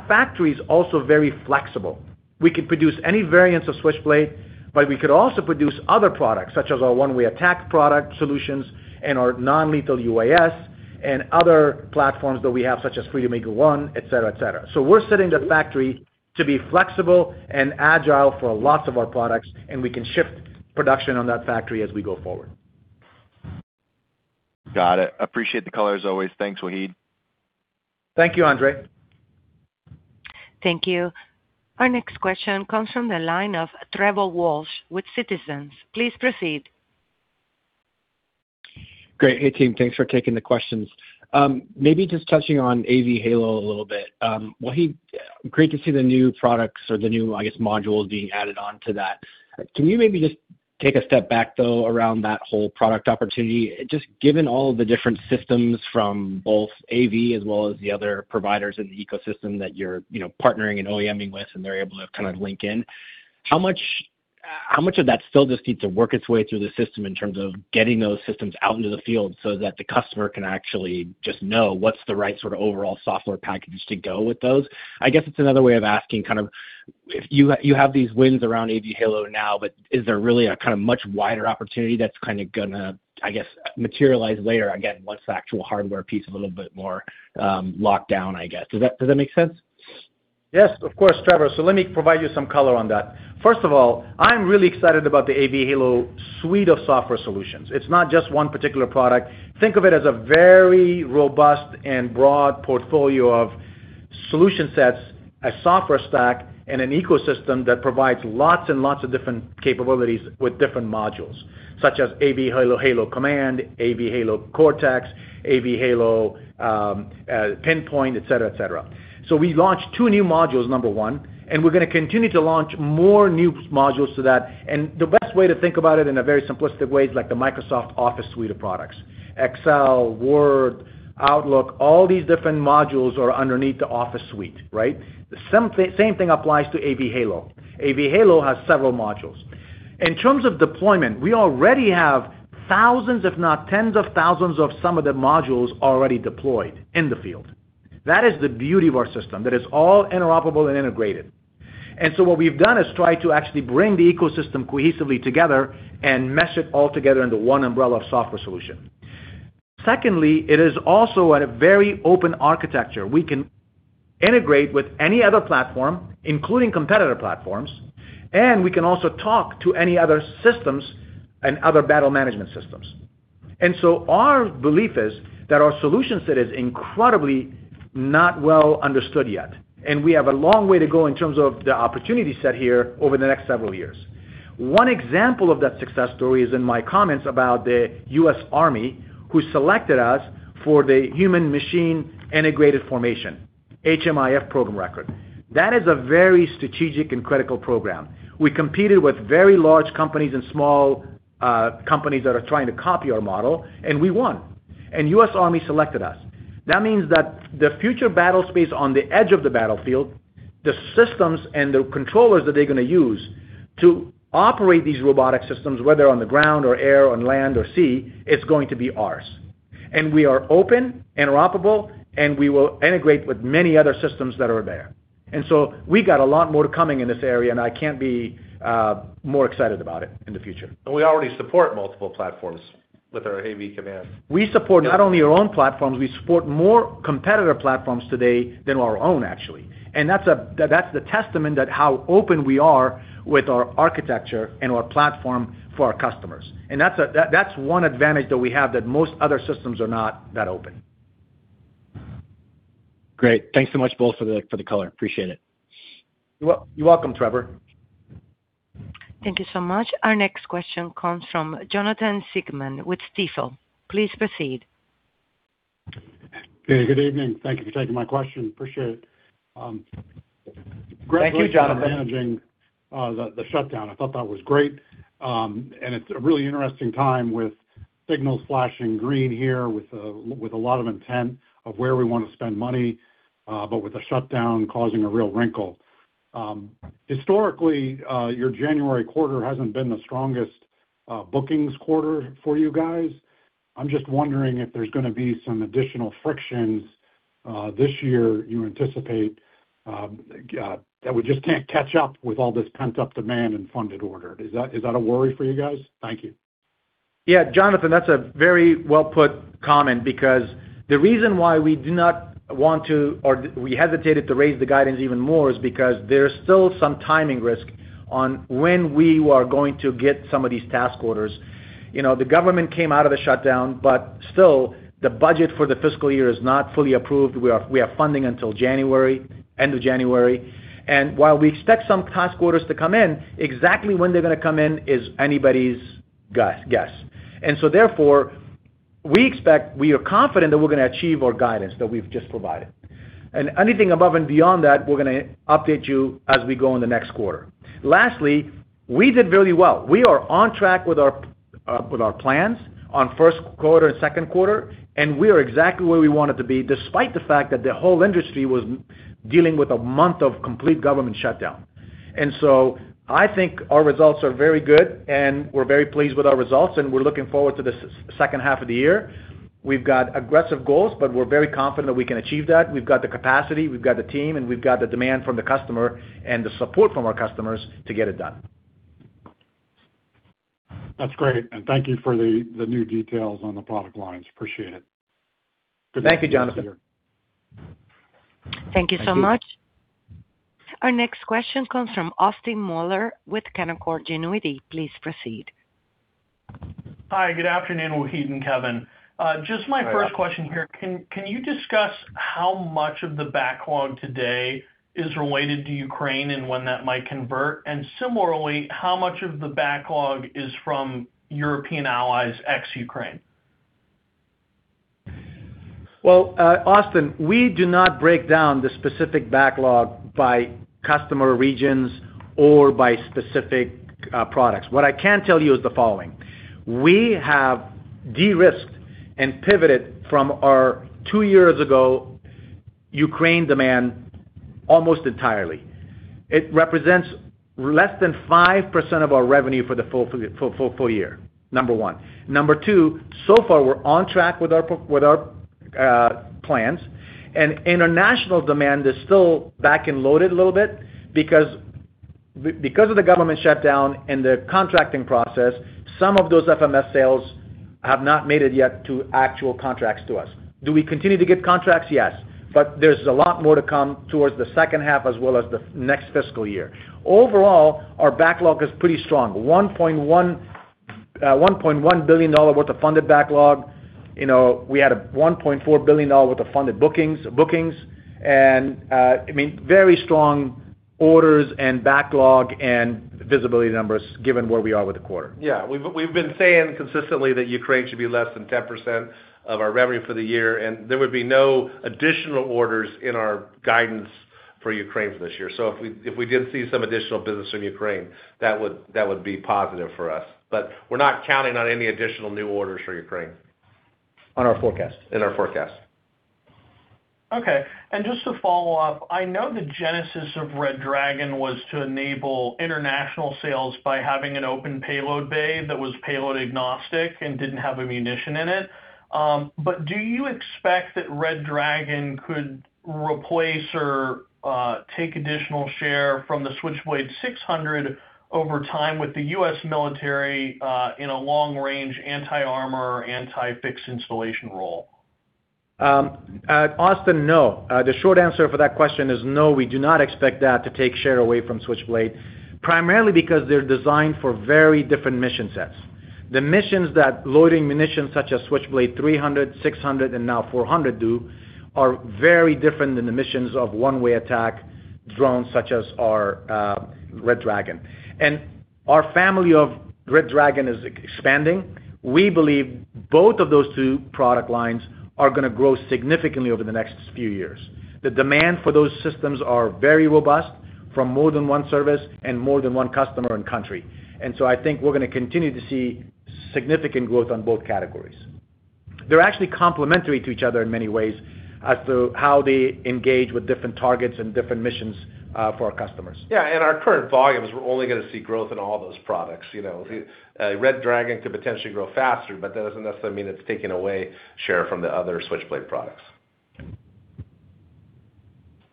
[SPEAKER 3] factory is also very flexible. We can produce any variants of Switchblade, but we could also produce other products, such as our one-way attack product solutions and our non-lethal UAS and other platforms that we have, such as Freedom Eagle One, etc., etc. So we're setting the factory to be flexible and agile for lots of our products, and we can shift production on that factory as we go forward.
[SPEAKER 9] Got it. Appreciate the colors, always. Thanks, Wahid.
[SPEAKER 3] Thank you, Andre. Thank you.
[SPEAKER 1] Our next question comes from the line of Trevor Walsh with Citizens. Please proceed.
[SPEAKER 10] Great. Hey, team. Thanks for taking the questions. Maybe just touching on AV Halo a little bit. Great to see the new products or the new, I guess, modules being added onto that. Can you maybe just take a step back, though, around that whole product opportunity? Just given all of the different systems from both AV as well as the other providers in the ecosystem that you're partnering and OEM with, and they're able to kind of link in, how much of that still just needs to work its way through the system in terms of getting those systems out into the field so that the customer can actually just know what's the right sort of overall software package to go with those? I guess it's another way of asking kind of if you have these wins around AV Halo now, but is there really a kind of much wider opportunity that's kind of going to, I guess, materialize later, again, once the actual hardware piece is a little bit more locked down, I guess? Does that make sense?
[SPEAKER 3] Yes, of course, Trevor. So let me provide you some color on that. First of all, I'm really excited about the AV Halo suite of software solutions. It's not just one particular product. Think of it as a very robust and broad portfolio of solution sets, a software stack, and an ecosystem that provides lots and lots of different capabilities with different modules, such as AV Halo Command, AV Halo Cortex, AV Halo Pinpoint, etc., etc. So we launched two new modules, number one, and we're going to continue to launch more new modules to that. And the best way to think about it in a very simplistic way is like the Microsoft Office suite of products: Excel, Word, Outlook. All these different modules are underneath the Office suite, right? The same thing applies to AV Halo. AV Halo has several modules. In terms of deployment, we already have thousands, if not tens of thousands of some of the modules already deployed in the field. That is the beauty of our system. That is all interoperable and integrated. And so what we've done is try to actually bring the ecosystem cohesively together and mesh it all together into one Umbrella of software solution. Secondly, it is also a very open architecture. We can integrate with any other platform, including competitor platforms, and we can also talk to any other systems and other battle management systems. And so our belief is that our solution set is incredibly not well understood yet, and we have a long way to go in terms of the opportunity set here over the next several years. One example of that success story is in my comments about the U.S. Army who selected us for the Human- Machine Integrated Formation, HMIF program record. That is a very strategic and critical program. We competed with very large companies and small companies that are trying to copy our model, and we won, and U.S. Army selected us. That means that the future battle space on the edge of the battlefield, the systems and the controllers that they're going to use to operate these robotic systems, whether on the ground, or air, on land, or sea, is going to be ours, and we are open, interoperable, and we will integrate with many other systems that are there, and so we got a lot more coming in this area, and I can't be more excited about it in the future, and we already support multiple platforms with our AV Command. We support not only our own platforms. We support more competitor platforms today than our own, actually. And that's the testament to how open we are with our architecture and our platform for our customers. And that's one advantage that we have that most other systems are not that open.
[SPEAKER 10] Great. Thanks so much, both, for the color. Appreciate it.
[SPEAKER 1] You're welcome, Trevor. Thank you so much. Our next question comes from Jonathan Siegmann with Stifel. Please proceed.
[SPEAKER 11] Hey, good evening. Thank you for taking my question. Appreciate it. Thank you, Jonathan. The shutdown. I thought that was great. And it's a really interesting time with signals flashing green here, with a lot of intent of where we want to spend money, but with a shutdown causing a real wrinkle. Historically, your January quarter hasn't been the strongest bookings quarter for you guys. I'm just wondering if there's going to be some additional frictions this year you anticipate that we just can't catch up with all this pent-up demand and funded order. Is that a worry for you guys? Thank you.
[SPEAKER 3] Yeah, Jonathan, that's a very well-put comment because the reason why we do not want to, or we hesitated to raise the guidance even more, is because there's still some timing risk on when we are going to get some of these task orders. The government came out of the shutdown, but still, the budget for the fiscal year is not fully approved. We have funding until January, end of January. And while we expect some task orders to come in, exactly when they're going to come in is anybody's guess. And so therefore, we expect we are confident that we're going to achieve our guidance that we've just provided. Anything above and beyond that, we're going to update you as we go in the next quarter. Lastly, we did really well. We are on track with our plans on Q1 and Q2, and we are exactly where we wanted to be despite the fact that the whole industry was dealing with a month of complete government shutdown. So I think our results are very good, and we're very pleased with our results, and we're looking forward to the second half of the year. We've got aggressive goals, but we're very confident that we can achieve that. We've got the capacity, we've got the team, and we've got the demand from the customer and the support from our customers to get it done.
[SPEAKER 11] That's great. Thank you for the new details on the product lines. Appreciate it.
[SPEAKER 3] Thank you, Jonathan.
[SPEAKER 1] Thank you so much. Our next question comes from Austin Moeller with Canaccord Genuity. Please proceed.
[SPEAKER 12] Hi, good afternoon, Wahid and Kevin. Just my first question here. Can you discuss how much of the backlog today is related to Ukraine and when that might convert? And similarly, how much of the backlog is from European allies ex-Ukraine?
[SPEAKER 3] Well, Austin, we do not break down the specific backlog by customer regions or by specific products. What I can tell you is the following. We have de-risked and pivoted from our two years ago Ukraine demand almost entirely. It represents less than 5% of our revenue for the full year, number one. Number two, so far, we're on track with our plans, and international demand is still back and loaded a little bit because of the government shutdown and the contracting process. Some of those FMS sales have not made it yet to actual contracts to us. Do we continue to get contracts? Yes, but there's a lot more to come towards the second half as well as the next fiscal year. Overall, our backlog is pretty strong. $1.1 billion worth of funded backlog. We had $1.4 billion worth of funded bookings, and I mean, very strong orders and backlog and visibility numbers given where we are with the quarter.
[SPEAKER 4] Yeah. We've been saying consistently that Ukraine should be less than 10% of our revenue for the year, and there would be no additional orders in our guidance for Ukraine for this year, so if we did see some additional business from Ukraine, that would be positive for us, but we're not counting on any additional new orders for Ukraine. On our forecast. In our forecast.
[SPEAKER 12] Okay. Just to follow up, I know the genesis of Red Dragon was to enable international sales by having an open payload bay that was payload agnostic and didn't have ammunition in it. But do you expect that Red Dragon could replace or take additional share from the Switchblade 600 over time with the U.S. military in a long-range anti-armor or anti-fixed installation role?
[SPEAKER 3] Austin, no. The short answer for that question is no. We do not expect that to take share away from Switchblade, primarily because they're designed for very different mission sets. The missions that loitering munitions such as Switchblade 300, 600, and now 400 do are very different than the missions of one-way attack drones such as our Red Dragon. Our family of Red Dragon is expanding. We believe both of those two product lines are going to grow significantly over the next few years. The demand for those systems is very robust from more than one service and more than one customer and country, and so I think we're going to continue to see significant growth on both categories. They're actually complementary to each other in many ways as to how they engage with different targets and different missions for our customers.
[SPEAKER 4] Yeah, and our current volumes, we're only going to see growth in all those products. Red Dragon could potentially grow faster, but that doesn't necessarily mean it's taking away share from the other Switchblade products.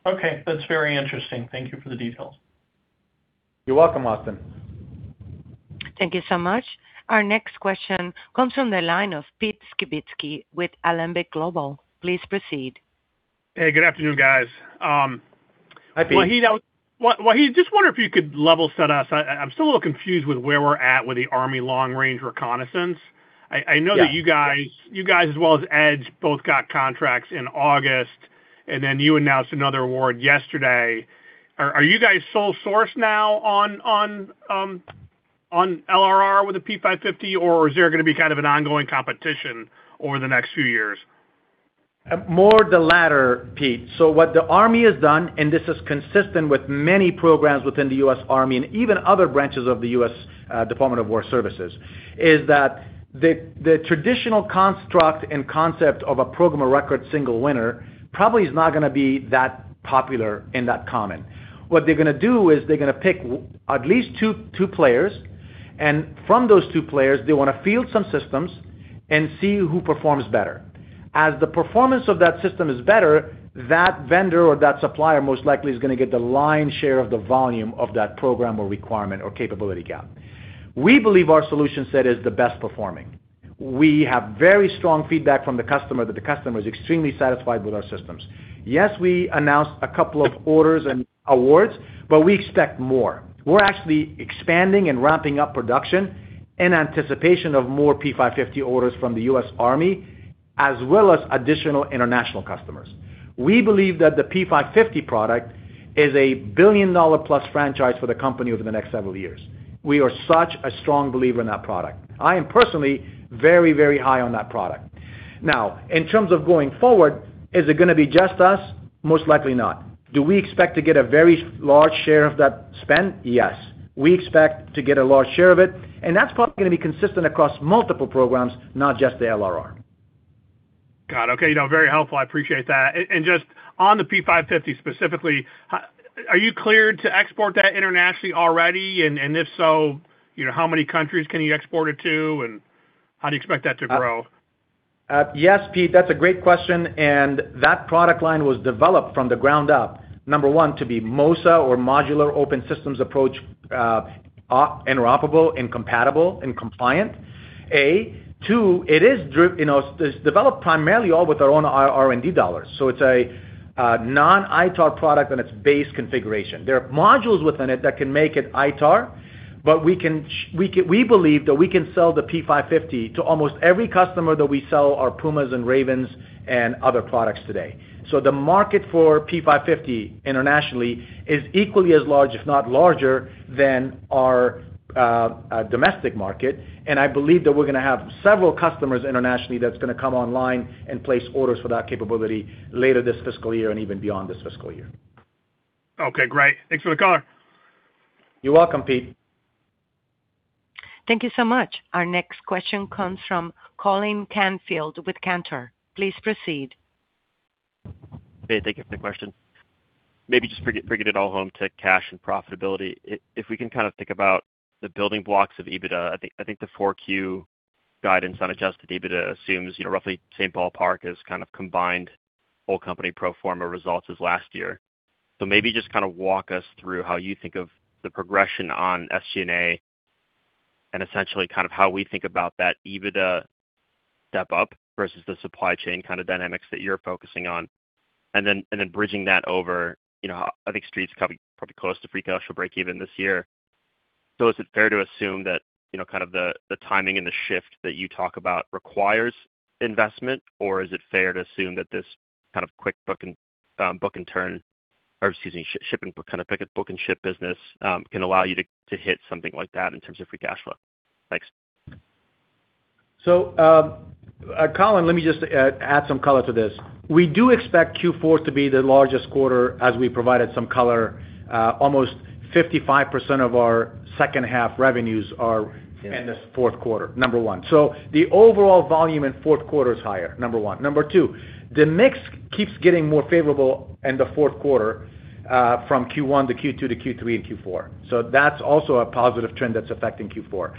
[SPEAKER 12] Okay. That's very interesting. Thank you for the details.
[SPEAKER 3] You're welcome, Austin.
[SPEAKER 1] Thank you so much. Our next question comes from the line of Pete Skibitski with Alembic Global. Please proceed.
[SPEAKER 13] Hey, good afternoon, guys. Hi, Pete. Wahid, just wonder if you could level set us. I'm still a little confused with where we're at with the Army long-range reconnaissance. I know that you guys, as well as edge, both got contracts in August, and then you announced another award yesterday. Are you guys sole source now on LRR with the P550, or is there going to be kind of an ongoing competition over the next few years?
[SPEAKER 3] More the latter, Pete. So what the Army has done, and this is consistent with many programs within the U.S. Army and even other branches of the U.S. Department of Defense, is that the traditional construct and concept of a program of record single winner probably is not going to be that popular and that common. What they're going to do is they're going to pick at least two players, and from those two players, they want to field some systems and see who performs better. As the performance of that system is better, that vendor or that supplier most likely is going to get the line share of the volume of that program or requirement or capability gap. We believe our solution set is the best performing. We have very strong feedback from the customer that the customer is extremely satisfied with our systems. Yes, we announced a couple of orders and awards, but we expect more. We're actually expanding and ramping up production in anticipation of more P550 orders from the U.S. Army as well as additional international customers. We believe that the P550 product is a billion-dollar-plus franchise for the company over the next several years. We are such a strong believer in that product. I am personally very, very high on that product. Now, in terms of going forward, is it going to be just us? Most likely not. Do we expect to get a very large share of that spend? Yes. We expect to get a large share of it, and that's probably going to be consistent across multiple programs, not just the LRR.
[SPEAKER 13] Got it. Okay. Very helpful. I appreciate that. And just on the P550 specifically, are you cleared to export that internationally already? And if so, how many countries can you export it to, and how do you expect that to grow?
[SPEAKER 3] Yes, Pete. That's a great question. And that product line was developed from the ground up, number one, to be MOSA or Modular Open Systems Approach, interoperable, and compatible and compliant. Two, it is developed primarily all with our own R&D dollars. So it's a non-ITAR product in its base configuration. There are modules within it that can make it ITAR, but we believe that we can sell the P550 to almost every customer that we sell our Pumas and Ravens and other products today. So the market for P550 internationally is equally as large, if not larger, than our domestic market. And I believe that we're going to have several customers internationally that's going to come online and place orders for that capability later this fiscal year and even beyond this fiscal year.
[SPEAKER 13] Okay. Great. Thanks for the call.
[SPEAKER 3] You're welcome, Pete.
[SPEAKER 1] Thank you so much. Our next question comes from Colin Canfield with Cantor Fitzgerald. Please proceed.
[SPEAKER 14] Hey, thank you for the question. Maybe just bringing it all home to cash and profitability. If we can kind of think about the building blocks of EBITDA, I think the 4Q guidance on adjusted EBITDA assumes roughly same ballpark as kind of combined whole company pro forma results as last year. So maybe just kind of walk us through how you think of the progression on SG&A and essentially kind of how we think about that EBITDA step up versus the supply chain kind of dynamics that you're focusing on. And then bridging that over, I think Street's probably closed to free cash or break-even this year. So is it fair to assume that kind of the timing and the shift that you talk about requires investment, or is it fair to assume that this kind of quick book and turn or, excuse me, shipping book and ship business can allow you to hit something like that in terms of free cash flow? Thanks.
[SPEAKER 3] So Colin, let me just add some color to this. We do expect Q4 to be the largest quarter as we provided some color. Almost 55% of our second half revenues are in the Q4, number one. So the overall volume in Q4 is higher, number one. Number two, the mix keeps getting more favorable in the Q4 from Q1 to Q2 to Q3 and Q4. So that's also a positive trend that's affecting Q4.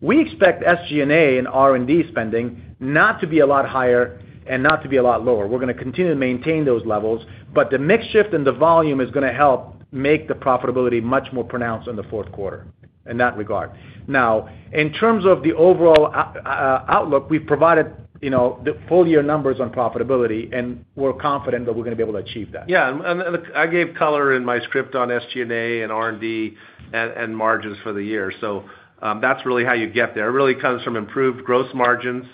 [SPEAKER 3] We expect SG&A and R&D spending not to be a lot higher and not to be a lot lower. We're going to continue to maintain those levels, but the mix shift in the volume is going to help make the profitability much more pronounced in the Q4 in that regard. Now, in terms of the overall outlook, we've provided the full year numbers on profitability, and we're confident that we're going to be able to achieve that. Yeah. And I gave color in my script on SG&A and R&D and margins for the year. So that's really how you get there. It really comes from improved gross margins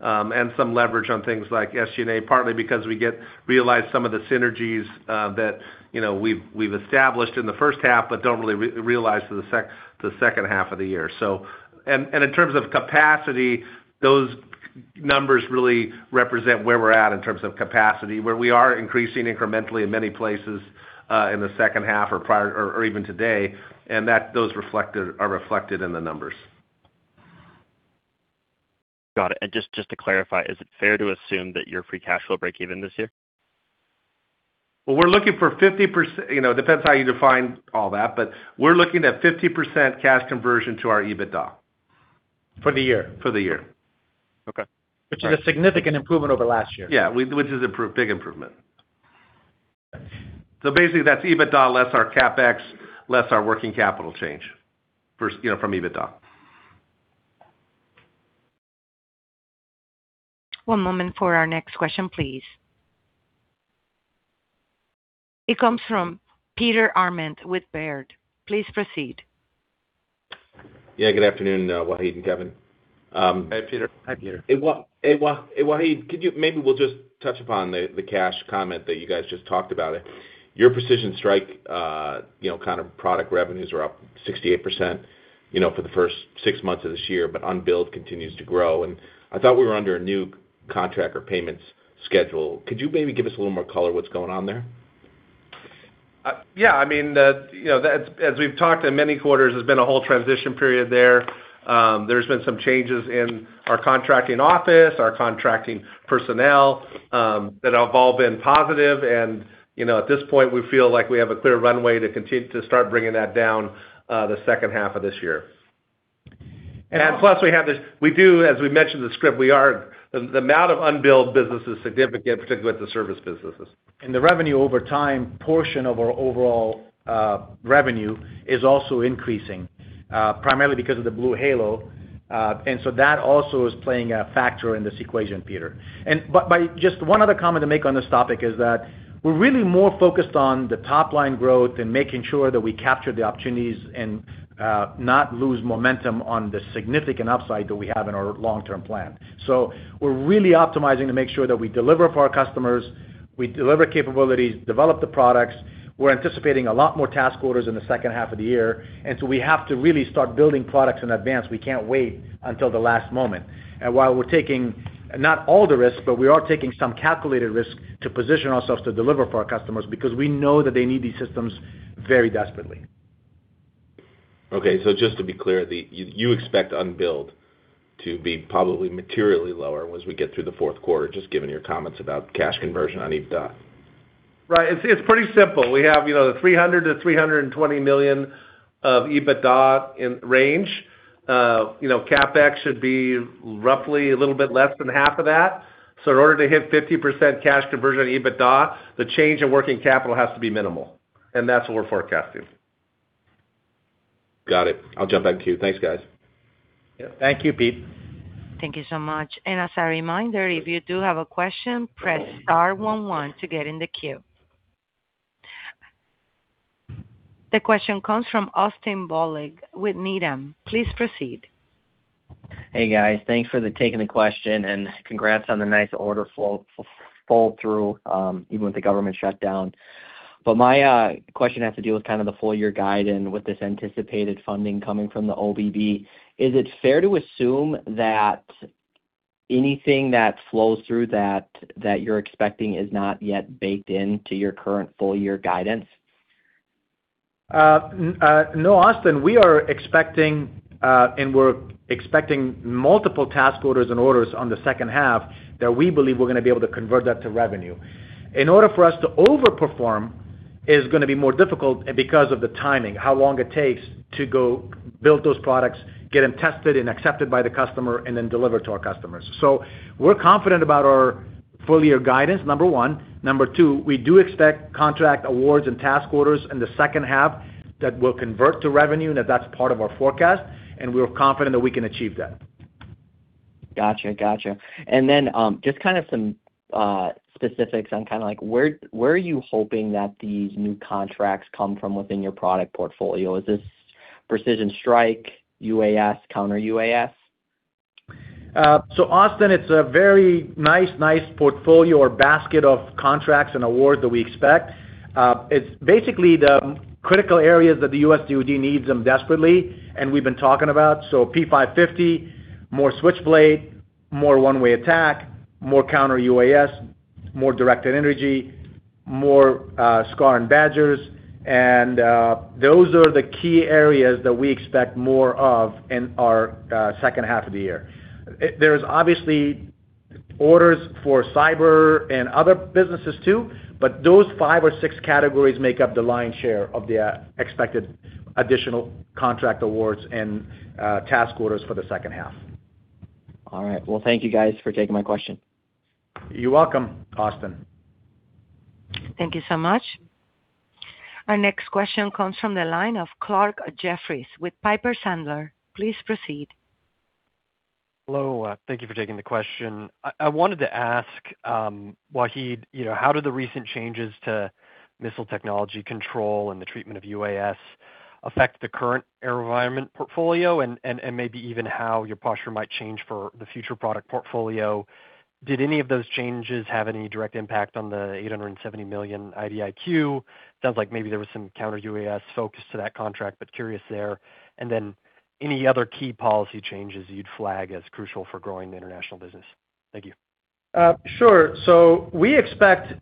[SPEAKER 3] and some leverage on things like SG&A, partly because we realize some of the synergies that we've established in the first half, but don't really realize the second half of the year. And in terms of capacity, those numbers really represent where we're at in terms of capacity, where we are increasing incrementally in many places in the second half or even today, and those are reflected in the numbers.
[SPEAKER 14] Got it. And just to clarify, is it fair to assume that your free cash will break even this year?
[SPEAKER 3] We're looking for 50%. It depends how you define all that, but we're looking at 50% cash conversion to our EBITDA. For the year? For the year. Okay. Which is a significant improvement over last year.
[SPEAKER 14] Yeah, which is a big improvement.
[SPEAKER 3] So basically, that's EBITDA less our CapEx, less our working capital change from EBITDA.
[SPEAKER 1] One moment for our next question, please. It comes from Peter Arment with Baird. Please proceed.
[SPEAKER 15] Yeah. Good afternoon, Wahid and Kevin. Hey, Peter. Hi, Peter. Wahid, maybe we'll just touch upon the cash comment that you guys just talked about. Your Precision Strike kind of product revenues are up 68% for the first six months of this year, but Unbilled continues to grow. And I thought we were under a new contract or payments schedule. Could you maybe give us a little more color what's going on there?
[SPEAKER 3] Yeah. I mean, as we've talked in many quarters, there's been a whole transition period there. There's been some changes in our contracting office, our contracting personnel that have all been positive. And at this point, we feel like we have a clear runway to start bringing that down the second half of this year. And plus, we have this—we do, as we mentioned in the script, the amount of unbilled business is significant, particularly with the service businesses. And the revenue over time portion of our overall revenue is also increasing, primarily because of the BlueHalo. And so that also is playing a factor in this equation, Peter. But just one other comment to make on this topic is that we're really more focused on the top-line growth and making sure that we capture the opportunities and not lose momentum on the significant upside that we have in our long-term plan. So we're really optimizing to make sure that we deliver for our customers, we deliver capabilities, develop the products. We're anticipating a lot more task orders in the second half of the year, and so we have to really start building products in advance. We can't wait until the last moment, and while we're taking not all the risk, but we are taking some calculated risk to position ourselves to deliver for our customers because we know that they need these systems very desperately.
[SPEAKER 15] Okay. So just to be clear, you expect Unbilled to be probably materially lower as we get through the Q4, just given your comments about cash conversion on EBITDA.
[SPEAKER 3] Right. It's pretty simple. We have the $300 million-$320 million EBITDA range. CapEx should be roughly a little bit less than half of that. So in order to hit 50% cash conversion on EBITDA, the change in working capital has to be minimal. And that's what we're forecasting.
[SPEAKER 15] Got it. I'll jump back to you. Thanks, guys.
[SPEAKER 3] Thank you, Pete.
[SPEAKER 1] Thank you so much. And as a reminder, if you do have a question, press star one one to get in the queue. The question comes from Austin Bollig with Needham. Please proceed.
[SPEAKER 16] Hey, guys. Thanks for taking the question, and congrats on the nice order flow-through even with the government shutdown. But my question has to do with kind of the full year guide and with this anticipated funding coming from the OBB. Is it fair to assume that anything that flows through that you're expecting is not yet baked into your current full year guidance?
[SPEAKER 3] No, Austin, we are expecting, and we're expecting multiple task orders and orders on the second half that we believe we're going to be able to convert that to revenue. In order for us to overperform, it's going to be more difficult because of the timing, how long it takes to go build those products, get them tested and accepted by the customer, and then deliver to our customers. So we're confident about our full year guidance, number one. Number two, we do expect contract awards and task orders in the second half that will convert to revenue, and that's part of our forecast. We're confident that we can achieve that.
[SPEAKER 16] Gotcha. Gotcha. Then just kind of some specifics on kind of where are you hoping that these new contracts come from within your product portfolio? Is this Precision Strike, UAS, Counter UAS?
[SPEAKER 3] So Austin, it's a very nice, nice portfolio or basket of contracts and awards that we expect. It's basically the critical areas that the U.S. DoD needs them desperately, and we've been talking about. So P550, more Switchblade, more one-way attack, more Counter UAS, more directed energy, more SCAR and BADGERs. And those are the key areas that we expect more of in our second half of the year. There's obviously orders for cyber and other businesses too, but those five or six categories make up the lion's share of the expected additional contract awards and task orders for the second half. All right.
[SPEAKER 16] Well, thank you, guys, for taking my question.
[SPEAKER 3] You're welcome, Austin.
[SPEAKER 1] Thank you so much. Our next question comes from the line of Clarke Jeffries with Piper Sandler. Please proceed.
[SPEAKER 17] Hello. Thank you for taking the question. I wanted to ask, Wahid, how did the recent changes to missile technology control and the treatment of UAS affect the current air environment portfolio and maybe even how your posture might change for the future product portfolio? Did any of those changes have any direct impact on the $870 million IDIQ? Sounds like maybe there was some Counter UAS focus to that contract, but curious there. And then any other key policy changes you'd flag as crucial for growing the international business? Thank you.
[SPEAKER 3] Sure. So we expect,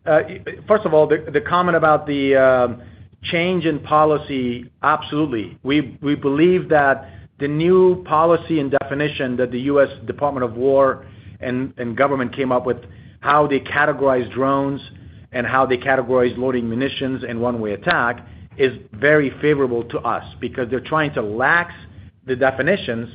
[SPEAKER 3] first of all, the comment about the change in policy, absolutely. We believe that the new policy and definition that the U.S. Department of Defense came up with, how they categorize drones and how they categorize loading munitions and one-way attack, is very favorable to us because they're trying to lax the definitions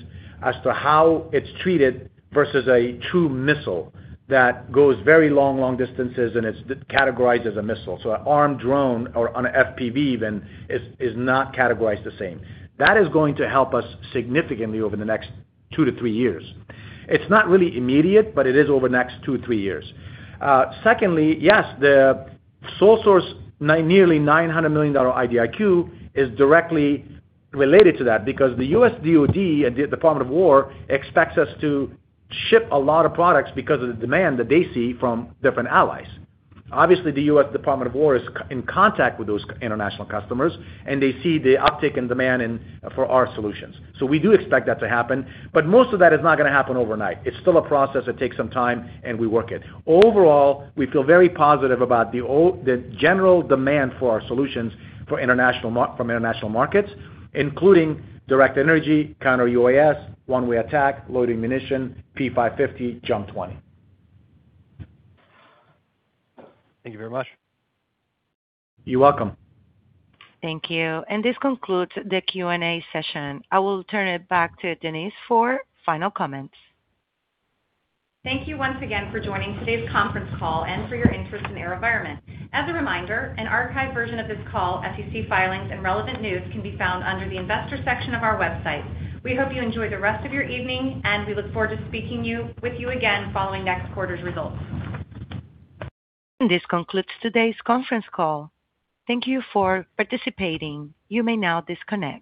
[SPEAKER 3] as to how it's treated versus a true missile that goes very long, long distances and is categorized as a missile. So an armed drone or an FPV even is not categorized the same. That is going to help us significantly over the next two to three years. It's not really immediate, but it is over the next two to three years. Secondly, yes, the sole source nearly $900 million IDIQ is directly related to that because the U.S. DoD and the Department of Defense expects us to ship a lot of products because of the demand that they see from different allies. Obviously, the U.S. Department of Defense is in contact with those international customers, and they see the uptake and demand for our solutions. So we do expect that to happen, but most of that is not going to happen overnight. It's still a process. It takes some time, and we work it. Overall, we feel very positive about the general demand for our solutions from international markets, including directed energy, counter UAS, one-way attack, loitering munition, P550, JUMP 20.
[SPEAKER 17] Thank you very much.
[SPEAKER 3] You're welcome.
[SPEAKER 1] Thank you. And this concludes the Q&A session. I will turn it back to Denise for final comments.
[SPEAKER 2] Thank you once again for joining today's conference call and for your interest in AeroVironment. As a reminder, an archived version of this call, SEC filings, and relevant news can be found under the investor section of our website. We hope you enjoy the rest of your evening, and we look forward to speaking with you again following next quarter's results.
[SPEAKER 1] This concludes today's conference call. Thank you for participating. You may now disconnect.